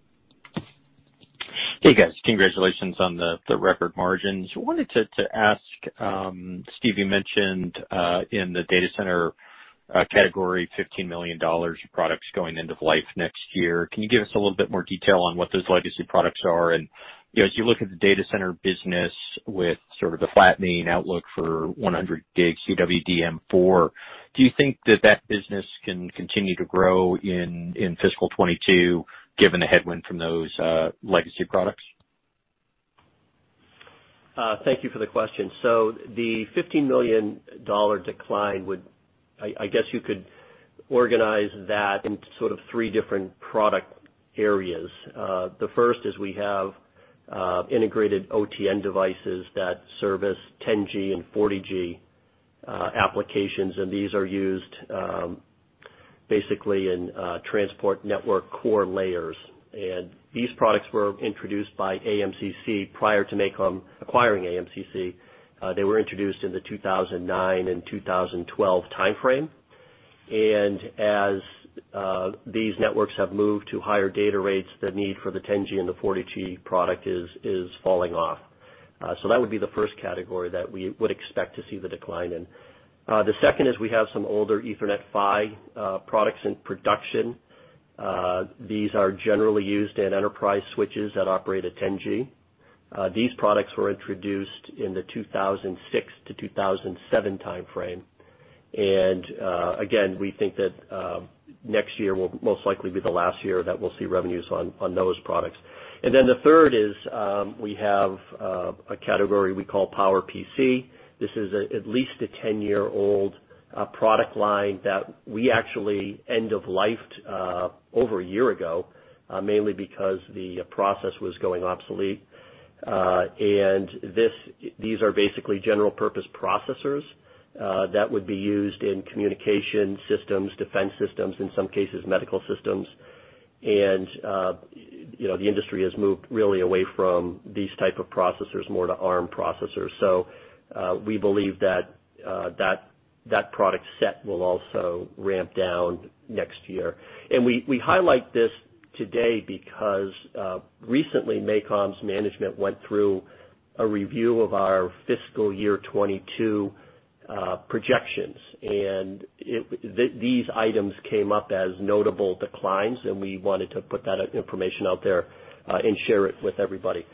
Hey, guys. Congratulations on the record margins. Wanted to ask, Steve, you mentioned in the data center category, $15 million of products going end of life next year. Can you give us a little bit more detail on what those legacy products are? As you look at the data center business with sort of the flattening outlook for 100G CWDM4, do you think that that business can continue to grow in fiscal 2022, given the headwind from those legacy products? Thank you for the question. The $15 million decline would, I guess you could organize that into sort of three different product areas. The first is we have integrated OTN devices that service 10G and 40G applications, and these are used basically in transport network core layers. These products were introduced by AMCC prior to MACOM acquiring AMCC. They were introduced in the 2009 and 2012 timeframe. As these networks have moved to higher data rates, the need for the 10G and the 40G product is falling off. That would be the first category that we would expect to see the decline in. The second is we have some older Ethernet PHY products in production. These are generally used in enterprise switches that operate at 10G. These products were introduced in the 2006 to 2007 timeframe. Again, we think that next year will most likely be the last year that we'll see revenues on those products. Then the third is we have a category we call PowerPC. This is at least a 10-year-old product line that we actually end of lifed over a year ago, mainly because the process was going obsolete. These are basically general-purpose processors that would be used in communication systems, defense systems, in some cases medical systems. The industry has moved really away from these type of processors more to ARM processors. We believe that product set will also ramp down next year. We highlight this today because recently, MACOM's management went through a review of our fiscal year 2022 projections, and these items came up as notable declines, and we wanted to put that information out there and share it with everybody.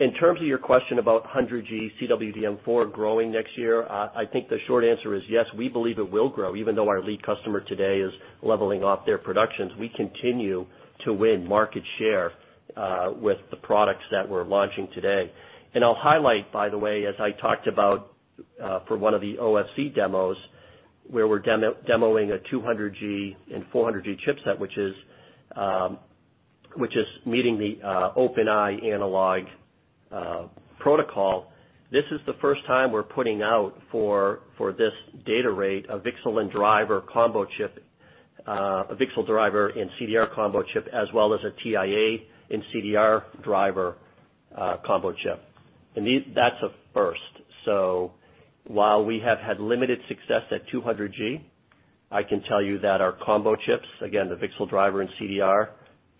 In terms of your question about 100G CWDM4 growing next year, I think the short answer is yes, we believe it will grow. Even though our lead customer today is leveling off their productions, we continue to win market share with the products that we're launching today. I'll highlight, by the way, as I talked about for one of the OFC demos, where we're demoing a 200G and 400G chipset, which is meeting the Open Eye analog protocol. This is the first time we're putting out for this data rate, a VCSEL driver and CDR combo chip, as well as a TIA and CDR driver combo chip. That's a first. While we have had limited success at 200G, I can tell you that our combo chips, again, the VCSEL driver and CDR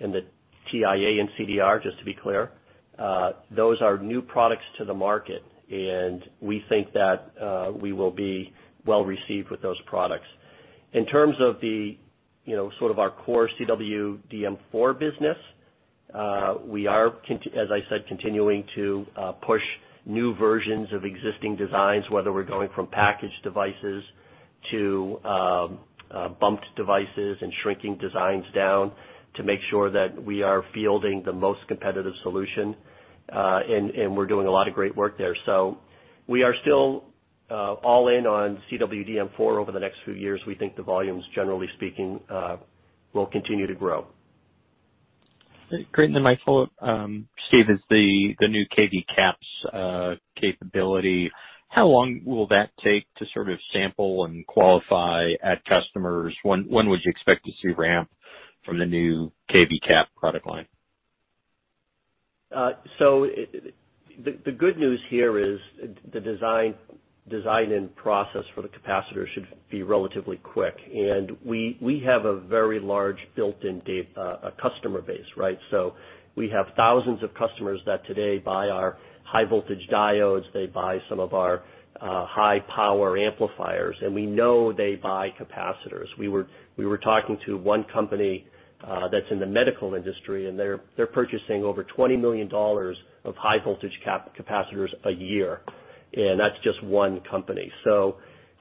and the TIA and CDR, just to be clear, those are new products to the market, and we think that we will be well-received with those products. In terms of the sort of our core CWDM4 business, we are, as I said, continuing to push new versions of existing designs, whether we're going from packaged devices to bumped devices and shrinking designs down to make sure that we are fielding the most competitive solution, and we're doing a lot of great work there. We are still all-in on CWDM4 over the next few years. We think the volumes, generally speaking, will continue to grow. Great. My follow-up, Steve, is the new KV CAPS capability. How long will that take to sort of sample and qualify at customers? When would you expect to see ramp from the new KV CAP product line? The good news here is the design and process for the capacitor should be relatively quick. We have a very large built-in customer base, right? We have thousands of customers that today buy our high voltage diodes. They buy some of our high power amplifiers, and we know they buy capacitors. We were talking to one company that's in the medical industry, and they're purchasing over $20 million of high voltage capacitors a year, and that's just one company.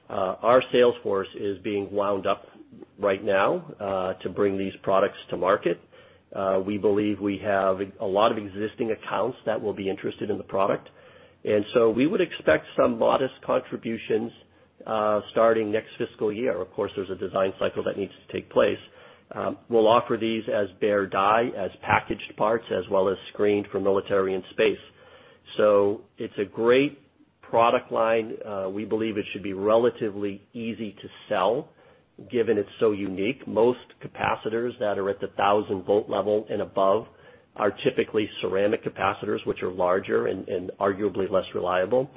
Our sales force is being wound up right now to bring these products to market. We believe we have a lot of existing accounts that will be interested in the product, and so we would expect some modest contributions, starting next fiscal year. Of course, there's a design cycle that needs to take place. We'll offer these as bare die, as packaged parts, as well as screened for military and space. It's a great product line. We believe it should be relatively easy to sell, given it's so unique. Most capacitors that are at the 1,000 V level and above are typically ceramic capacitors, which are larger and arguably less reliable,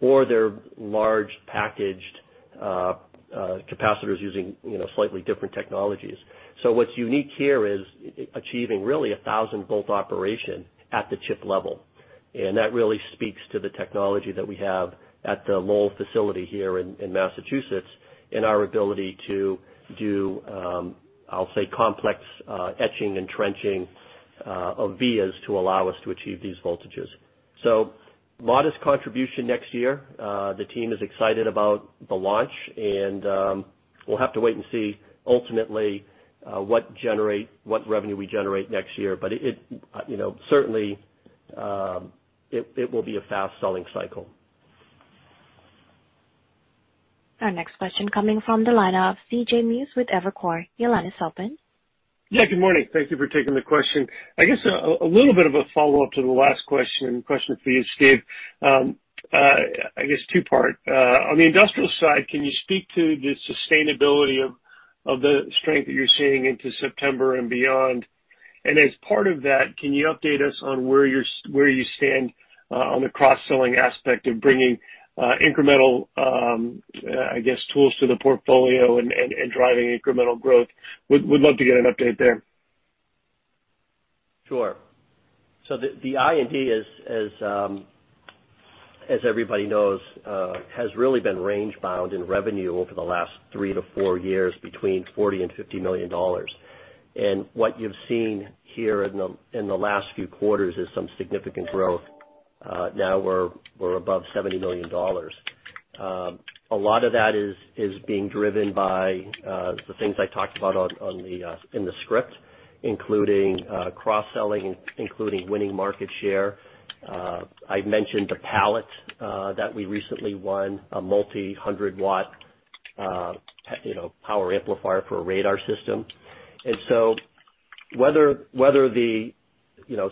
or they're large packaged capacitors using slightly different technologies. What's unique here is achieving really 1,000 V operation at the chip level. That really speaks to the technology that we have at the Lowell facility here in Massachusetts, and our ability to do, I'll say, complex etching and trenching of vias to allow us to achieve these voltages. Modest contribution next year. The team is excited about the launch, and we'll have to wait and see, ultimately, what revenue we generate next year. Certainly, it will be a fast-selling cycle. Our next question coming from the line of C.J. Muse with Evercore. Your line is open. Yeah, good morning. Thank you for taking the question. I guess, a little bit of a follow-up to the last question. Question for you, Steve. I guess two-part. On the industrial side, can you speak to the sustainability of the strength that you're seeing into September and beyond? As part of that, can you update us on where you stand on the cross-selling aspect of bringing incremental, I guess, tools to the portfolio and driving incremental growth? Would love to get an update there. Sure. The I&D, as everybody knows has really been range bound in revenue over the last three to four years between $40 million-$50 million. What you've seen here in the last few quarters is some significant growth. Now we're above $70 million. A lot of that is being driven by the things I talked about in the script, including cross-selling, including winning market share. I mentioned the pallet amplifier that we recently won, a multi-100 watt power amplifier for a radar system.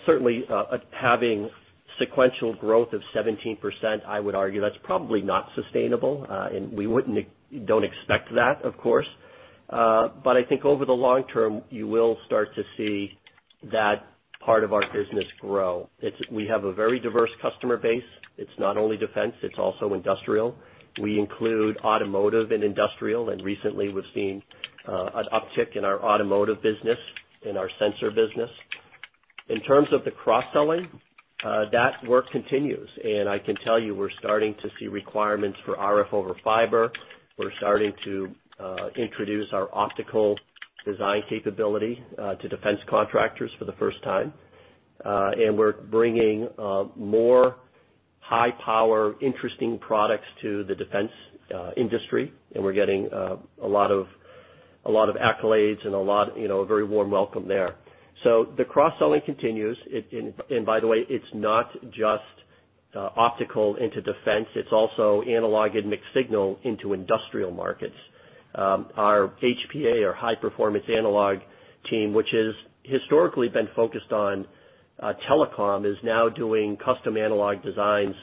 Certainly, having sequential growth of 17%, I would argue that's probably not sustainable. We don't expect that, of course. I think over the long term, you will start to see that part of our business grow. We have a very diverse customer base. It's not only defense, it's also industrial. We include automotive and industrial. Recently we've seen an uptick in our automotive business, in our sensor business. In terms of the cross-selling, that work continues. I can tell you we're starting to see requirements for RF over fiber. We're starting to introduce our optical design capability to defense contractors for the first time. We're bringing more high-power, interesting products to the defense industry, and we're getting a lot of accolades and a very warm welcome there. The cross-selling continues. By the way, it's not just optical into defense, it's also analog and mixed signal into industrial markets. Our HPA, our high-performance analog team, which has historically been focused on telecom, is now doing custom analog designs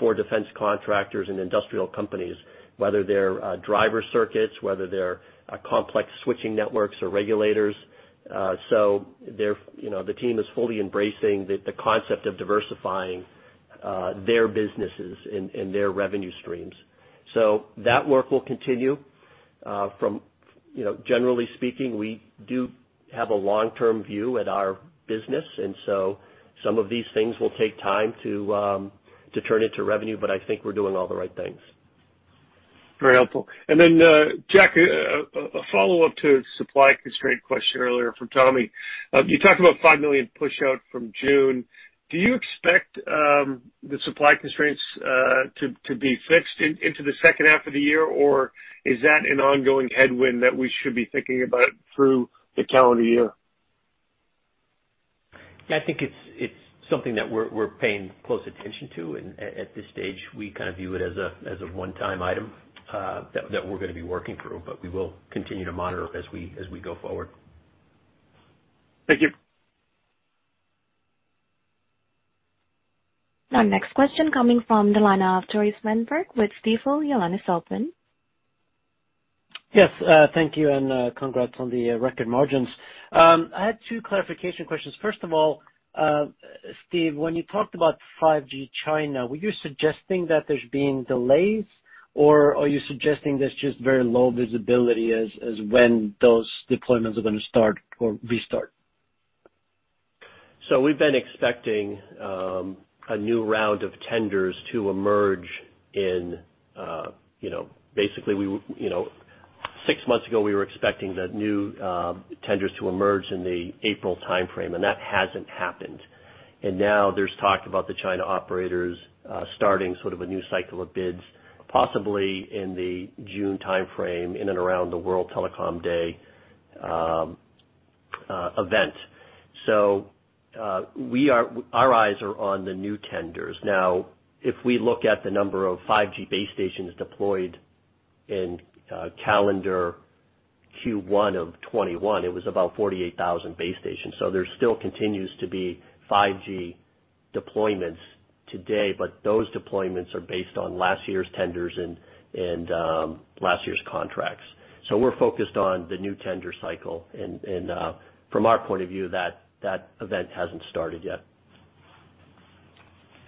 for defense contractors and industrial companies, whether they're driver circuits, whether they're complex switching networks or regulators. The team is fully embracing the concept of diversifying their businesses and their revenue streams. That work will continue. Generally speaking, we do have a long-term view at our business, and so some of these things will take time to turn into revenue, but I think we're doing all the right things. Very helpful. Jack, a follow-up to the supply constraint question earlier from Tom. You talked about $5 million pushout from June. Do you expect the supply constraints to be fixed into the second half of the year, or is that an ongoing headwind that we should be thinking about through the calendar year? Yeah, I think it's something that we're paying close attention to, and at this stage, we kind of view it as a one-time item that we're gonna be working through, but we will continue to monitor as we go forward. Thank you. Our next question coming from the line of Tore Svanberg with Stifel. Your line is open. Yes. Thank you. Congrats on the record margins. I had two clarification questions. First of all, Steve, when you talked about 5G China, were you suggesting that there's been delays, or are you suggesting there's just very low visibility as when those deployments are going to start or restart? We've been expecting a new round of tenders to emerge. Six months ago, we were expecting the new tenders to emerge in the April timeframe, and that hasn't happened. Now there's talk about the China operators starting sort of a new cycle of bids, possibly in the June timeframe, in and around the World Telecom Day event. Our eyes are on the new tenders. Now, if we look at the number of 5G base stations deployed in calendar Q1 of 2021, it was about 48,000 base stations. There still continues to be 5G deployments today, but those deployments are based on last year's tenders and last year's contracts. We're focused on the new tender cycle, and from our point of view, that event hasn't started yet.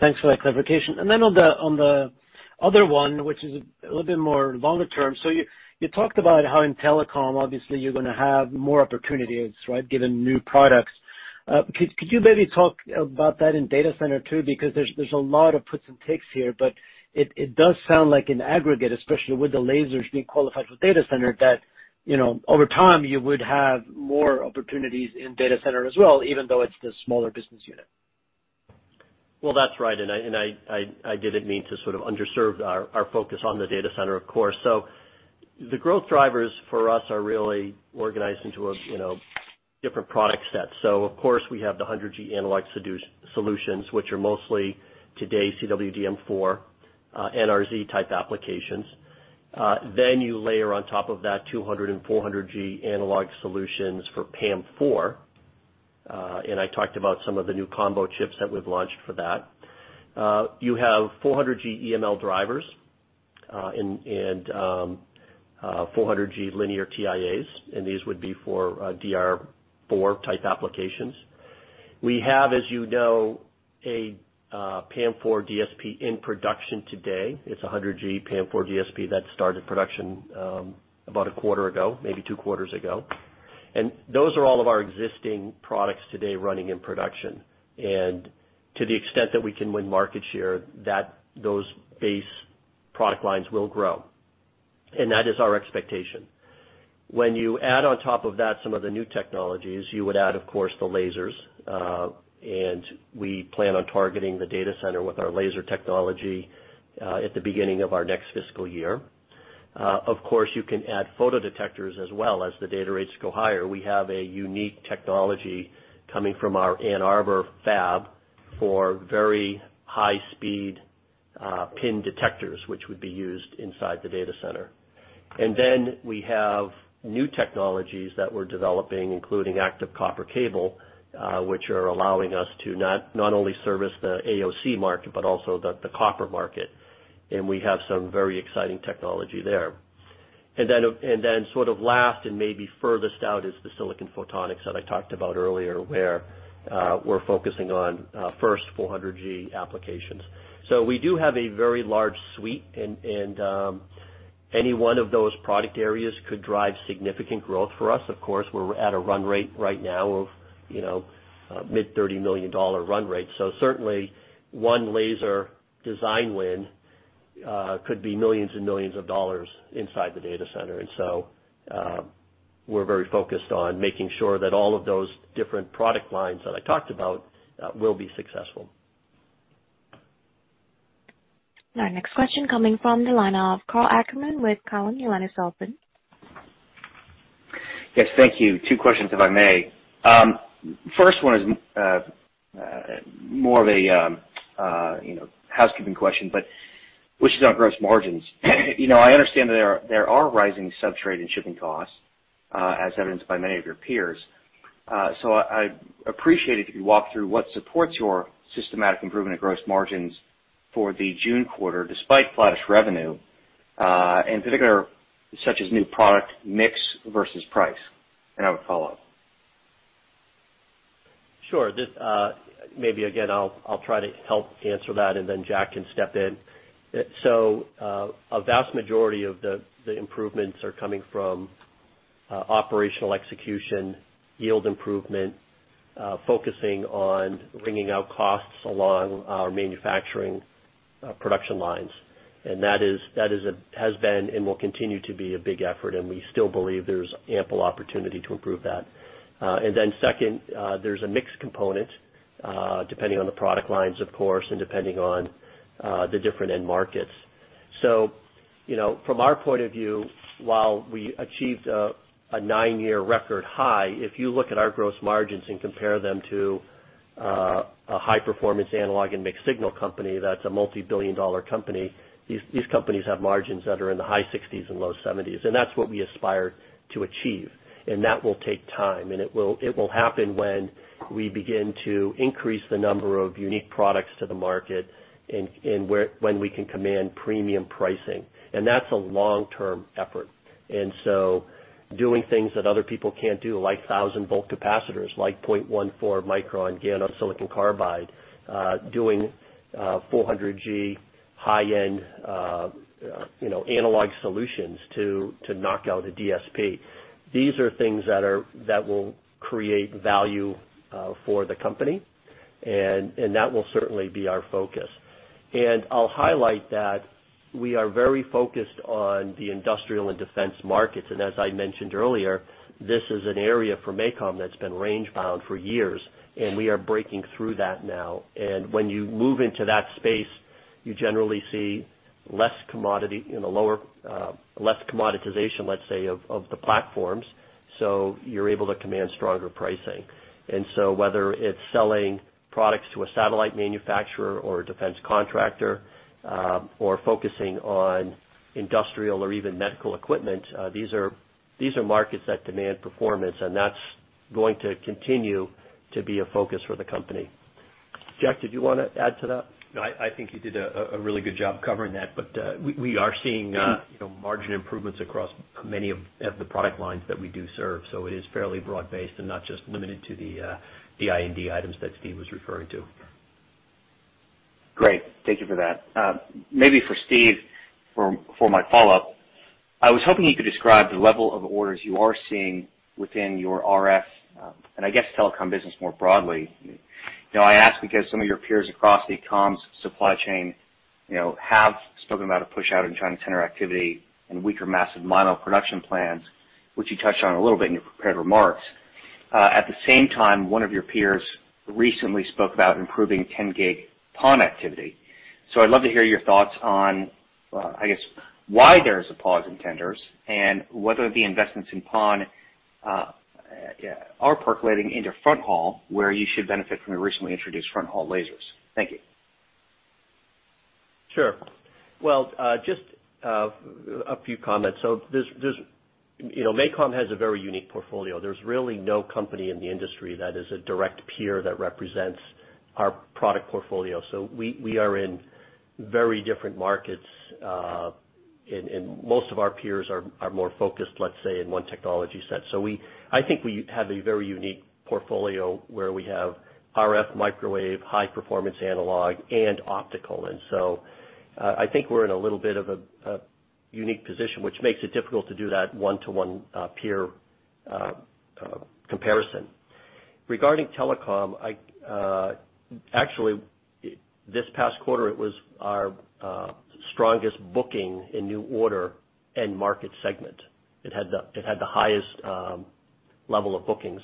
Thanks for that clarification. On the other one, which is a little bit more longer term. You talked about how in telecom, obviously, you're going to have more opportunities, right, given new products. Could you maybe talk about that in data center too? There's a lot of puts and takes here, but it does sound like in aggregate, especially with the lasers being qualified for data center, that over time you would have more opportunities in data center as well, even though it's the smaller business unit. That's right. I didn't mean to sort of underserve our focus on the data center, of course. The growth drivers for us are really organized into different product sets. Of course, we have the 100G analog solutions, which are mostly today CWDM4 NRZ type applications. You layer on top of that 200 and 400G analog solutions for PAM4. I talked about some of the new combo chips that we've launched for that. You have 400G EML drivers, and 400G linear TIAs, and these would be for DR4 type applications. We have, as you know, a PAM4 DSP in production today. It's 100G PAM4 DSP that started production about a quarter ago, maybe 2 quarters ago. Those are all of our existing products today running in production. To the extent that we can win market share, those base product lines will grow. That is our expectation. When you add on top of that some of the new technologies, you would add, of course, the lasers. We plan on targeting the data center with our laser technology, at the beginning of our next fiscal year. Of course, you can add photodetectors as well as the data rates go higher. We have a unique technology coming from our Ann Arbor fab for very high-speed PIN detectors, which would be used inside the data center. We have new technologies that we're developing, including active copper cable, which are allowing us to not only service the AOC market, but also the copper market. We have some very exciting technology there. Sort of last, and maybe furthest out, is the silicon photonics that I talked about earlier, where we're focusing on first 400G applications. We do have a very large suite, and any one of those product areas could drive significant growth for us. Of course, we're at a run rate right now of mid $30 million run rate. Certainly one laser design win could be millions and millions of dollars inside the data center. We're very focused on making sure that all of those different product lines that I talked about will be successful. Our next question coming from the line of Karl Ackerman with Cowen. Your line is open. Yes. Thank you. Two questions, if I may. First one is more of a housekeeping question, which is on gross margins. I understand that there are rising substrate and shipping costs, as evidenced by many of your peers. I'd appreciate it if you walk through what supports your systematic improvement of gross margins for the June quarter, despite flattish revenue, and particular such as new product mix versus price. I have a follow-up. Sure. Maybe, again, I'll try to help answer that, and then Jack can step in. A vast majority of the improvements are coming from operational execution, yield improvement, focusing on wringing out costs along our manufacturing production lines. That has been and will continue to be a big effort, and we still believe there's ample opportunity to improve that. Then second, there's a mix component, depending on the product lines, of course, and depending on the different end markets. From our point of view, while we achieved a nine-year record high, if you look at our gross margins and compare them to a high-performance analog and mixed signal company that's a multibillion-dollar company. These companies have margins that are in the high 60s and low 70s, and that's what we aspire to achieve. That will take time, and it will happen when we begin to increase the number of unique products to the market and when we can command premium pricing. That's a long-term effort. Doing things that other people can't do, like 1,000 V capacitors, like 0.14 micron GaN-on-SiC, doing 400G high-end analog solutions to knock out a DSP. These are things that will create value for the company, and that will certainly be our focus. I'll highlight that we are very focused on the industrial and defense markets. As I mentioned earlier, this is an area for MACOM that's been range-bound for years, and we are breaking through that now. When you move into that space, you generally see less commoditization, let's say, of the platforms, so you're able to command stronger pricing. Whether it's selling products to a satellite manufacturer or a defense contractor, or focusing on industrial or even medical equipment, these are markets that demand performance, and that's going to continue to be a focus for the company. Jack, did you want to add to that? I think you did a really good job covering that. We are seeing margin improvements across many of the product lines that we do serve. It is fairly broad-based and not just limited to the I&D items that Steve was referring to. Great. Thank you for that. Maybe for Steve, for my follow-up. I was hoping you could describe the level of orders you are seeing within your RF, and I guess telecom business more broadly. I ask because some of your peers across the comms supply chain have spoken about a push out in China tender activity and weaker massive MIMO production plans, which you touched on a little bit in your prepared remarks. At the same time, one of your peers recently spoke about improving 10G-PON activity. I'd love to hear your thoughts on, I guess, why there is a pause in tenders and whether the investments in PON are percolating into front haul where you should benefit from your recently introduced front haul lasers. Thank you. Sure. Well, just a few comments. MACOM has a very unique portfolio. There's really no company in the industry that is a direct peer that represents our product portfolio. We are in very different markets. Most of our peers are more focused, let's say, in one technology set. I think we have a very unique portfolio where we have RF, microwave, high-performance analog, and optical. I think we're in a little bit of a unique position, which makes it difficult to do that one-to-one peer comparison. Regarding telecom, actually, this past quarter, it was our strongest booking in new order end market segment. It had the highest level of bookings,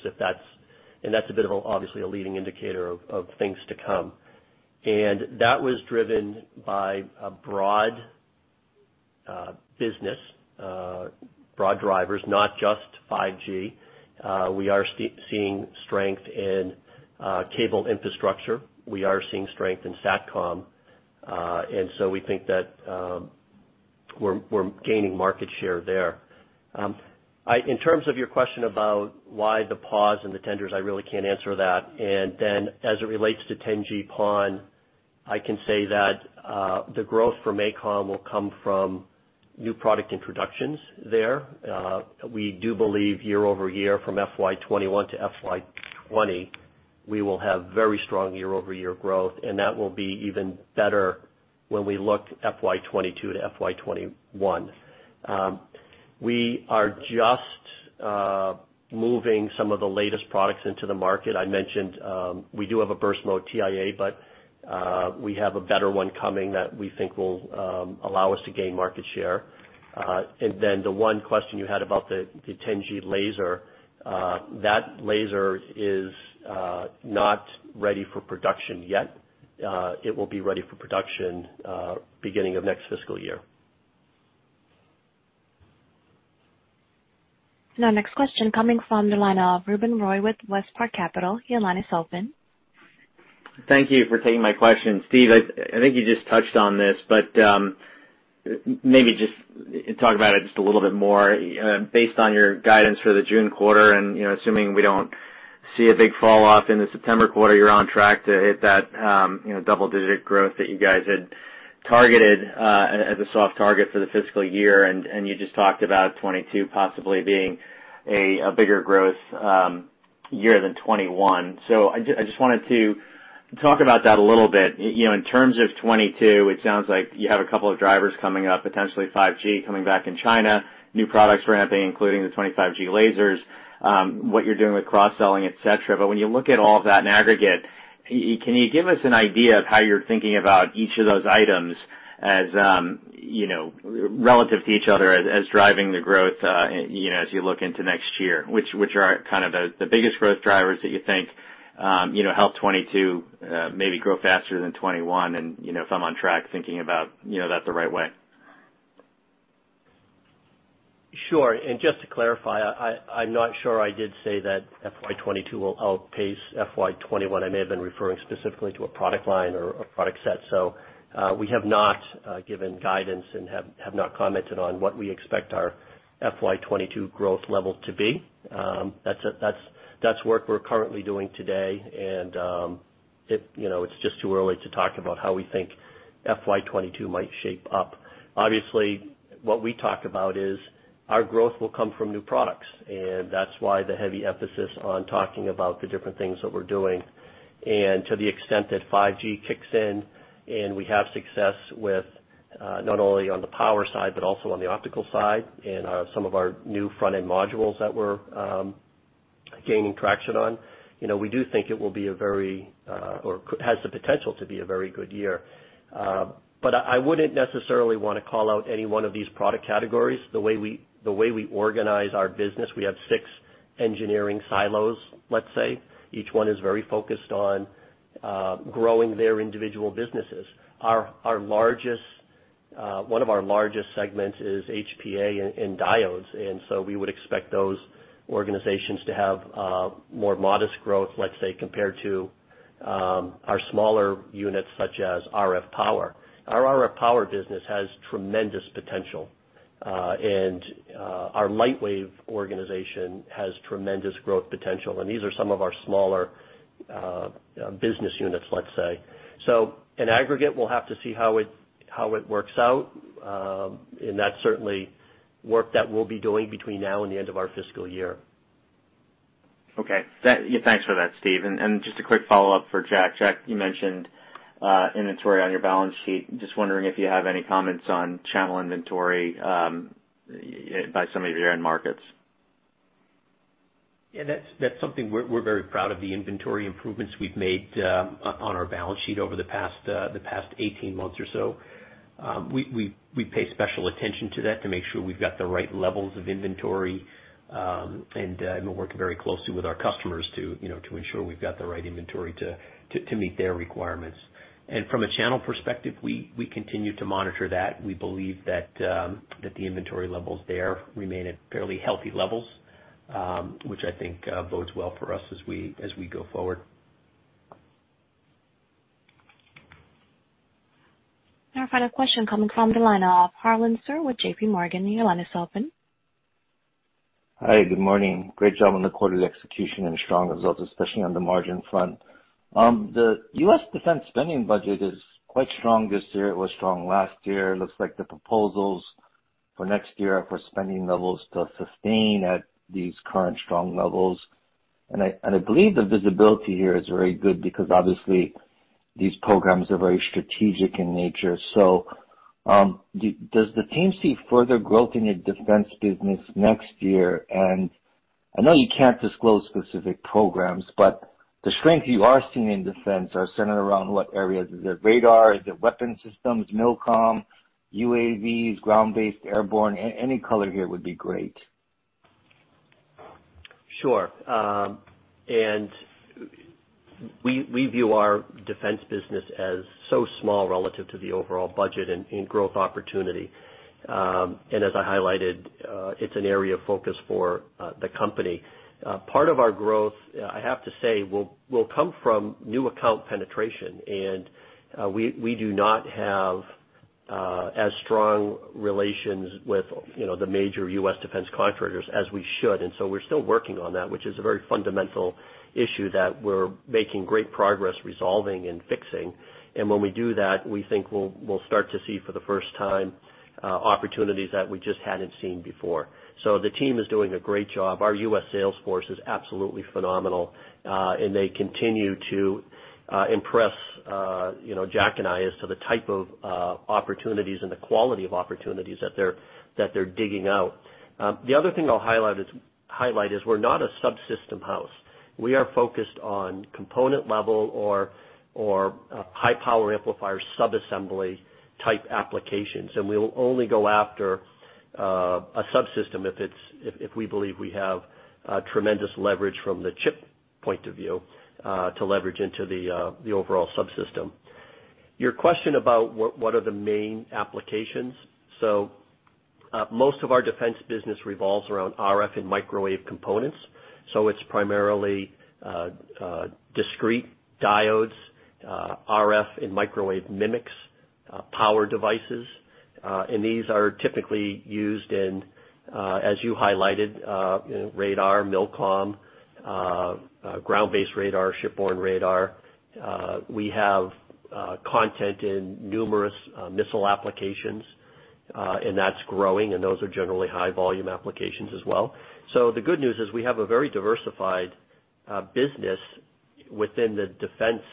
and that's a bit of, obviously, a leading indicator of things to come. That was driven by a broad business, broad drivers, not just 5G. We are seeing strength in cable infrastructure. We are seeing strength in SATCOM. We think that we're gaining market share there. In terms of your question about why the pause in the tenders, I really can't answer that. As it relates to 10G PON, I can say that the growth for MACOM will come from new product introductions there. We do believe year-over-year from FY 2021 to FY 2020, we will have very strong year-over-year growth, and that will be even better when we look FY 2022 to FY 2021. We are just moving some of the latest products into the market. I mentioned, we do have a burst mode TIA, but we have a better one coming that we think will allow us to gain market share. The one question you had about the 10G laser, that laser is not ready for production yet. It will be ready for production beginning of next fiscal year. Next question coming from the line of Ruben Roy with WestPark Capital. Your line is open. Thank you for taking my question. Steve, I think you just touched on this, but maybe just talk about it just a little bit more. Based on your guidance for the June quarter and assuming we don't see a big fall off in the September quarter, you're on track to hit that double-digit growth that you guys had targeted as a soft target for the fiscal year. You just talked about 2022 possibly being a bigger growth year than 2021. I just wanted to talk about that a little bit. In terms of 2022, it sounds like you have a couple of drivers coming up, potentially 5G coming back in China, new products ramping, including the 25G lasers, what you're doing with cross-selling, et cetera. When you look at all of that in aggregate, can you give us an idea of how you're thinking about each of those items relative to each other as driving the growth as you look into next year? Which are kind of the biggest growth drivers that you think help 2022 maybe grow faster than 2021, and if I'm on track thinking about that the right way? Sure. Just to clarify, I'm not sure I did say that FY 2022 will outpace FY 2021. I may have been referring specifically to a product line or a product set. We have not given guidance and have not commented on what we expect our FY 2022 growth level to be. That's work we're currently doing today, and it's just too early to talk about how we think FY 2022 might shape up. Obviously, what we talk about is our growth will come from new products, and that's why the heavy emphasis on talking about the different things that we're doing. To the extent that 5G kicks in and we have success with, not only on the power side, but also on the optical side and some of our new front-end modules that we're gaining traction on. We do think it will be a very, or has the potential to be a very good year. I wouldn't necessarily want to call out any one of these product categories. The way we organize our business, we have six engineering silos, let's say. Each one is very focused on growing their individual businesses. One of our largest segments is HPA and diodes, and so we would expect those organizations to have more modest growth, let's say, compared to our smaller units such as RF Power. Our RF Power business has tremendous potential. Our Lightwave organization has tremendous growth potential. These are some of our smaller business units, let's say. In aggregate, we'll have to see how it works out. That's certainly work that we'll be doing between now and the end of our fiscal year. Okay. Thanks for that, Steve. Just a quick follow-up for Jack. Jack, you mentioned inventory on your balance sheet. Just wondering if you have any comments on channel inventory by some of your end markets? Yeah, that's something we're very proud of, the inventory improvements we've made on our balance sheet over the past 18 months or so. We pay special attention to that to make sure we've got the right levels of inventory. We're working very closely with our customers to ensure we've got the right inventory to meet their requirements. From a channel perspective, we continue to monitor that. We believe that the inventory levels there remain at fairly healthy levels, which I think bodes well for us as we go forward. Our final question coming from the line of Harlan Sur with JPMorgan. Your line is open. Hi, good morning. Great job on the quarter's execution and strong results, especially on the margin front. The U.S. defense spending budget is quite strong this year. It was strong last year. It looks like the proposals for next year are for spending levels to sustain at these current strong levels. I believe the visibility here is very good because obviously these programs are very strategic in nature. Does the team see further growth in your defense business next year? I know you can't disclose specific programs, but the strength you are seeing in defense are centered around what areas? Is it radar? Is it weapon systems, MILCOM, UAVs, ground-based, airborne? Any color here would be great. Sure. We view our defense business as so small relative to the overall budget and growth opportunity. As I highlighted, it's an area of focus for the company. Part of our growth, I have to say, will come from new account penetration. We do not have as strong relations with the major U.S. defense contractors as we should. We're still working on that, which is a very fundamental issue that we're making great progress resolving and fixing. When we do that, we think we'll start to see for the first time, opportunities that we just hadn't seen before. The team is doing a great job. Our U.S. sales force is absolutely phenomenal, and they continue to impress Jack and I as to the type of opportunities and the quality of opportunities that they're digging out. The other thing I'll highlight is we're not a subsystem house. We are focused on component-level or high-power amplifier sub-assembly type applications. We'll only go after a subsystem if we believe we have tremendous leverage from the chip point of view, to leverage into the overall subsystem. Your question about what are the main applications. Most of our defense business revolves around RF and microwave components. It's primarily discrete diodes, RF and microwave MMICs, power devices. These are typically used in, as you highlighted, radar, MILCOM, ground-based radar, shipborne radar. We have content in numerous missile applications, and that's growing, and those are generally high-volume applications as well. The good news is we have a very diversified business within the defense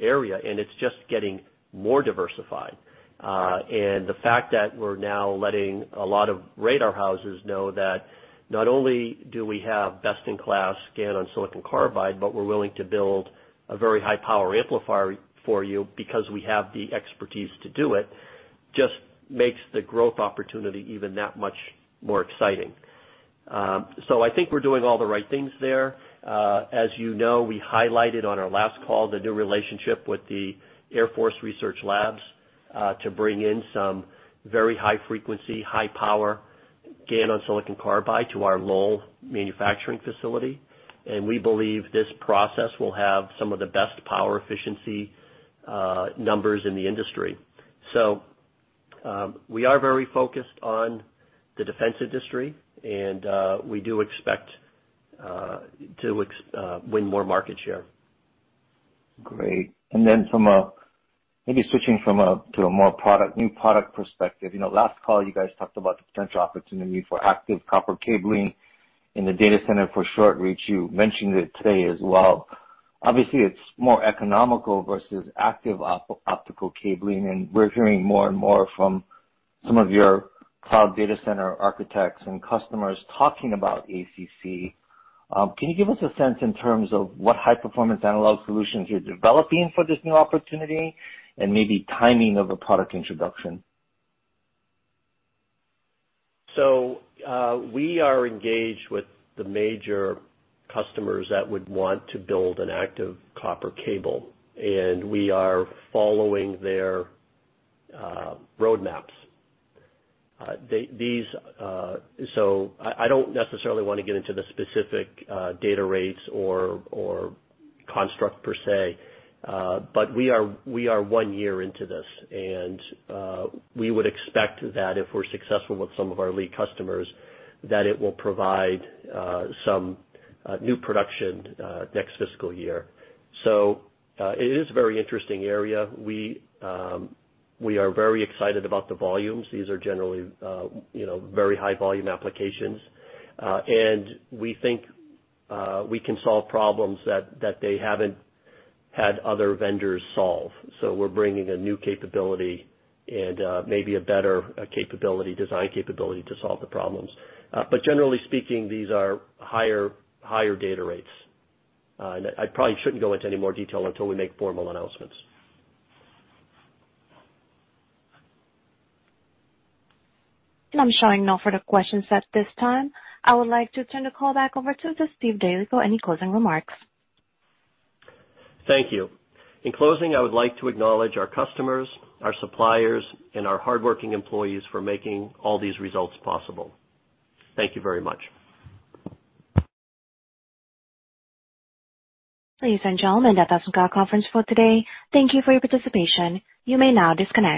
area, and it's just getting more diversified. The fact that we're now letting a lot of radar houses know that not only do we have best-in-class GaN on silicon carbide, but we're willing to build a very high-power amplifier for you because we have the expertise to do it, just makes the growth opportunity even that much more exciting. I think we're doing all the right things there. As you know, we highlighted on our last call the new relationship with the Air Force Research Labs to bring in some very high frequency, high power GaN on silicon carbide to our Lowell manufacturing facility, and we believe this process will have some of the best power efficiency numbers in the industry. We are very focused on the defense industry, and we do expect to win more market share. Great. Maybe switching to a more new product perspective. Last call, you guys talked about the potential opportunity for active copper cabling in the data center for short reach. You mentioned it today as well. Obviously, it's more economical versus active optical cabling, and we're hearing more and more from some of your cloud data center architects and customers talking about ACC. Can you give us a sense in terms of what high-performance analog solutions you're developing for this new opportunity and maybe timing of a product introduction? We are engaged with the major customers that would want to build an active copper cable, and we are following their roadmaps. I don't necessarily want to get into the specific data rates or construct per se. We are one year into this and we would expect that if we're successful with some of our lead customers, that it will provide some new production next fiscal year. It is a very interesting area. We are very excited about the volumes. These are generally very high volume applications. We think we can solve problems that they haven't had other vendors solve. We're bringing a new capability and maybe a better design capability to solve the problems. Generally speaking, these are higher data rates. I probably shouldn't go into any more detail until we make formal announcements. I'm showing no further questions at this time. I would like to turn the call back over to Steve Daly. Any closing remarks? Thank you. In closing, I would like to acknowledge our customers, our suppliers, and our hardworking employees for making all these results possible. Thank you very much. Ladies and gentlemen, that does conclude our conference for today. Thank you for your participation. You may now disconnect.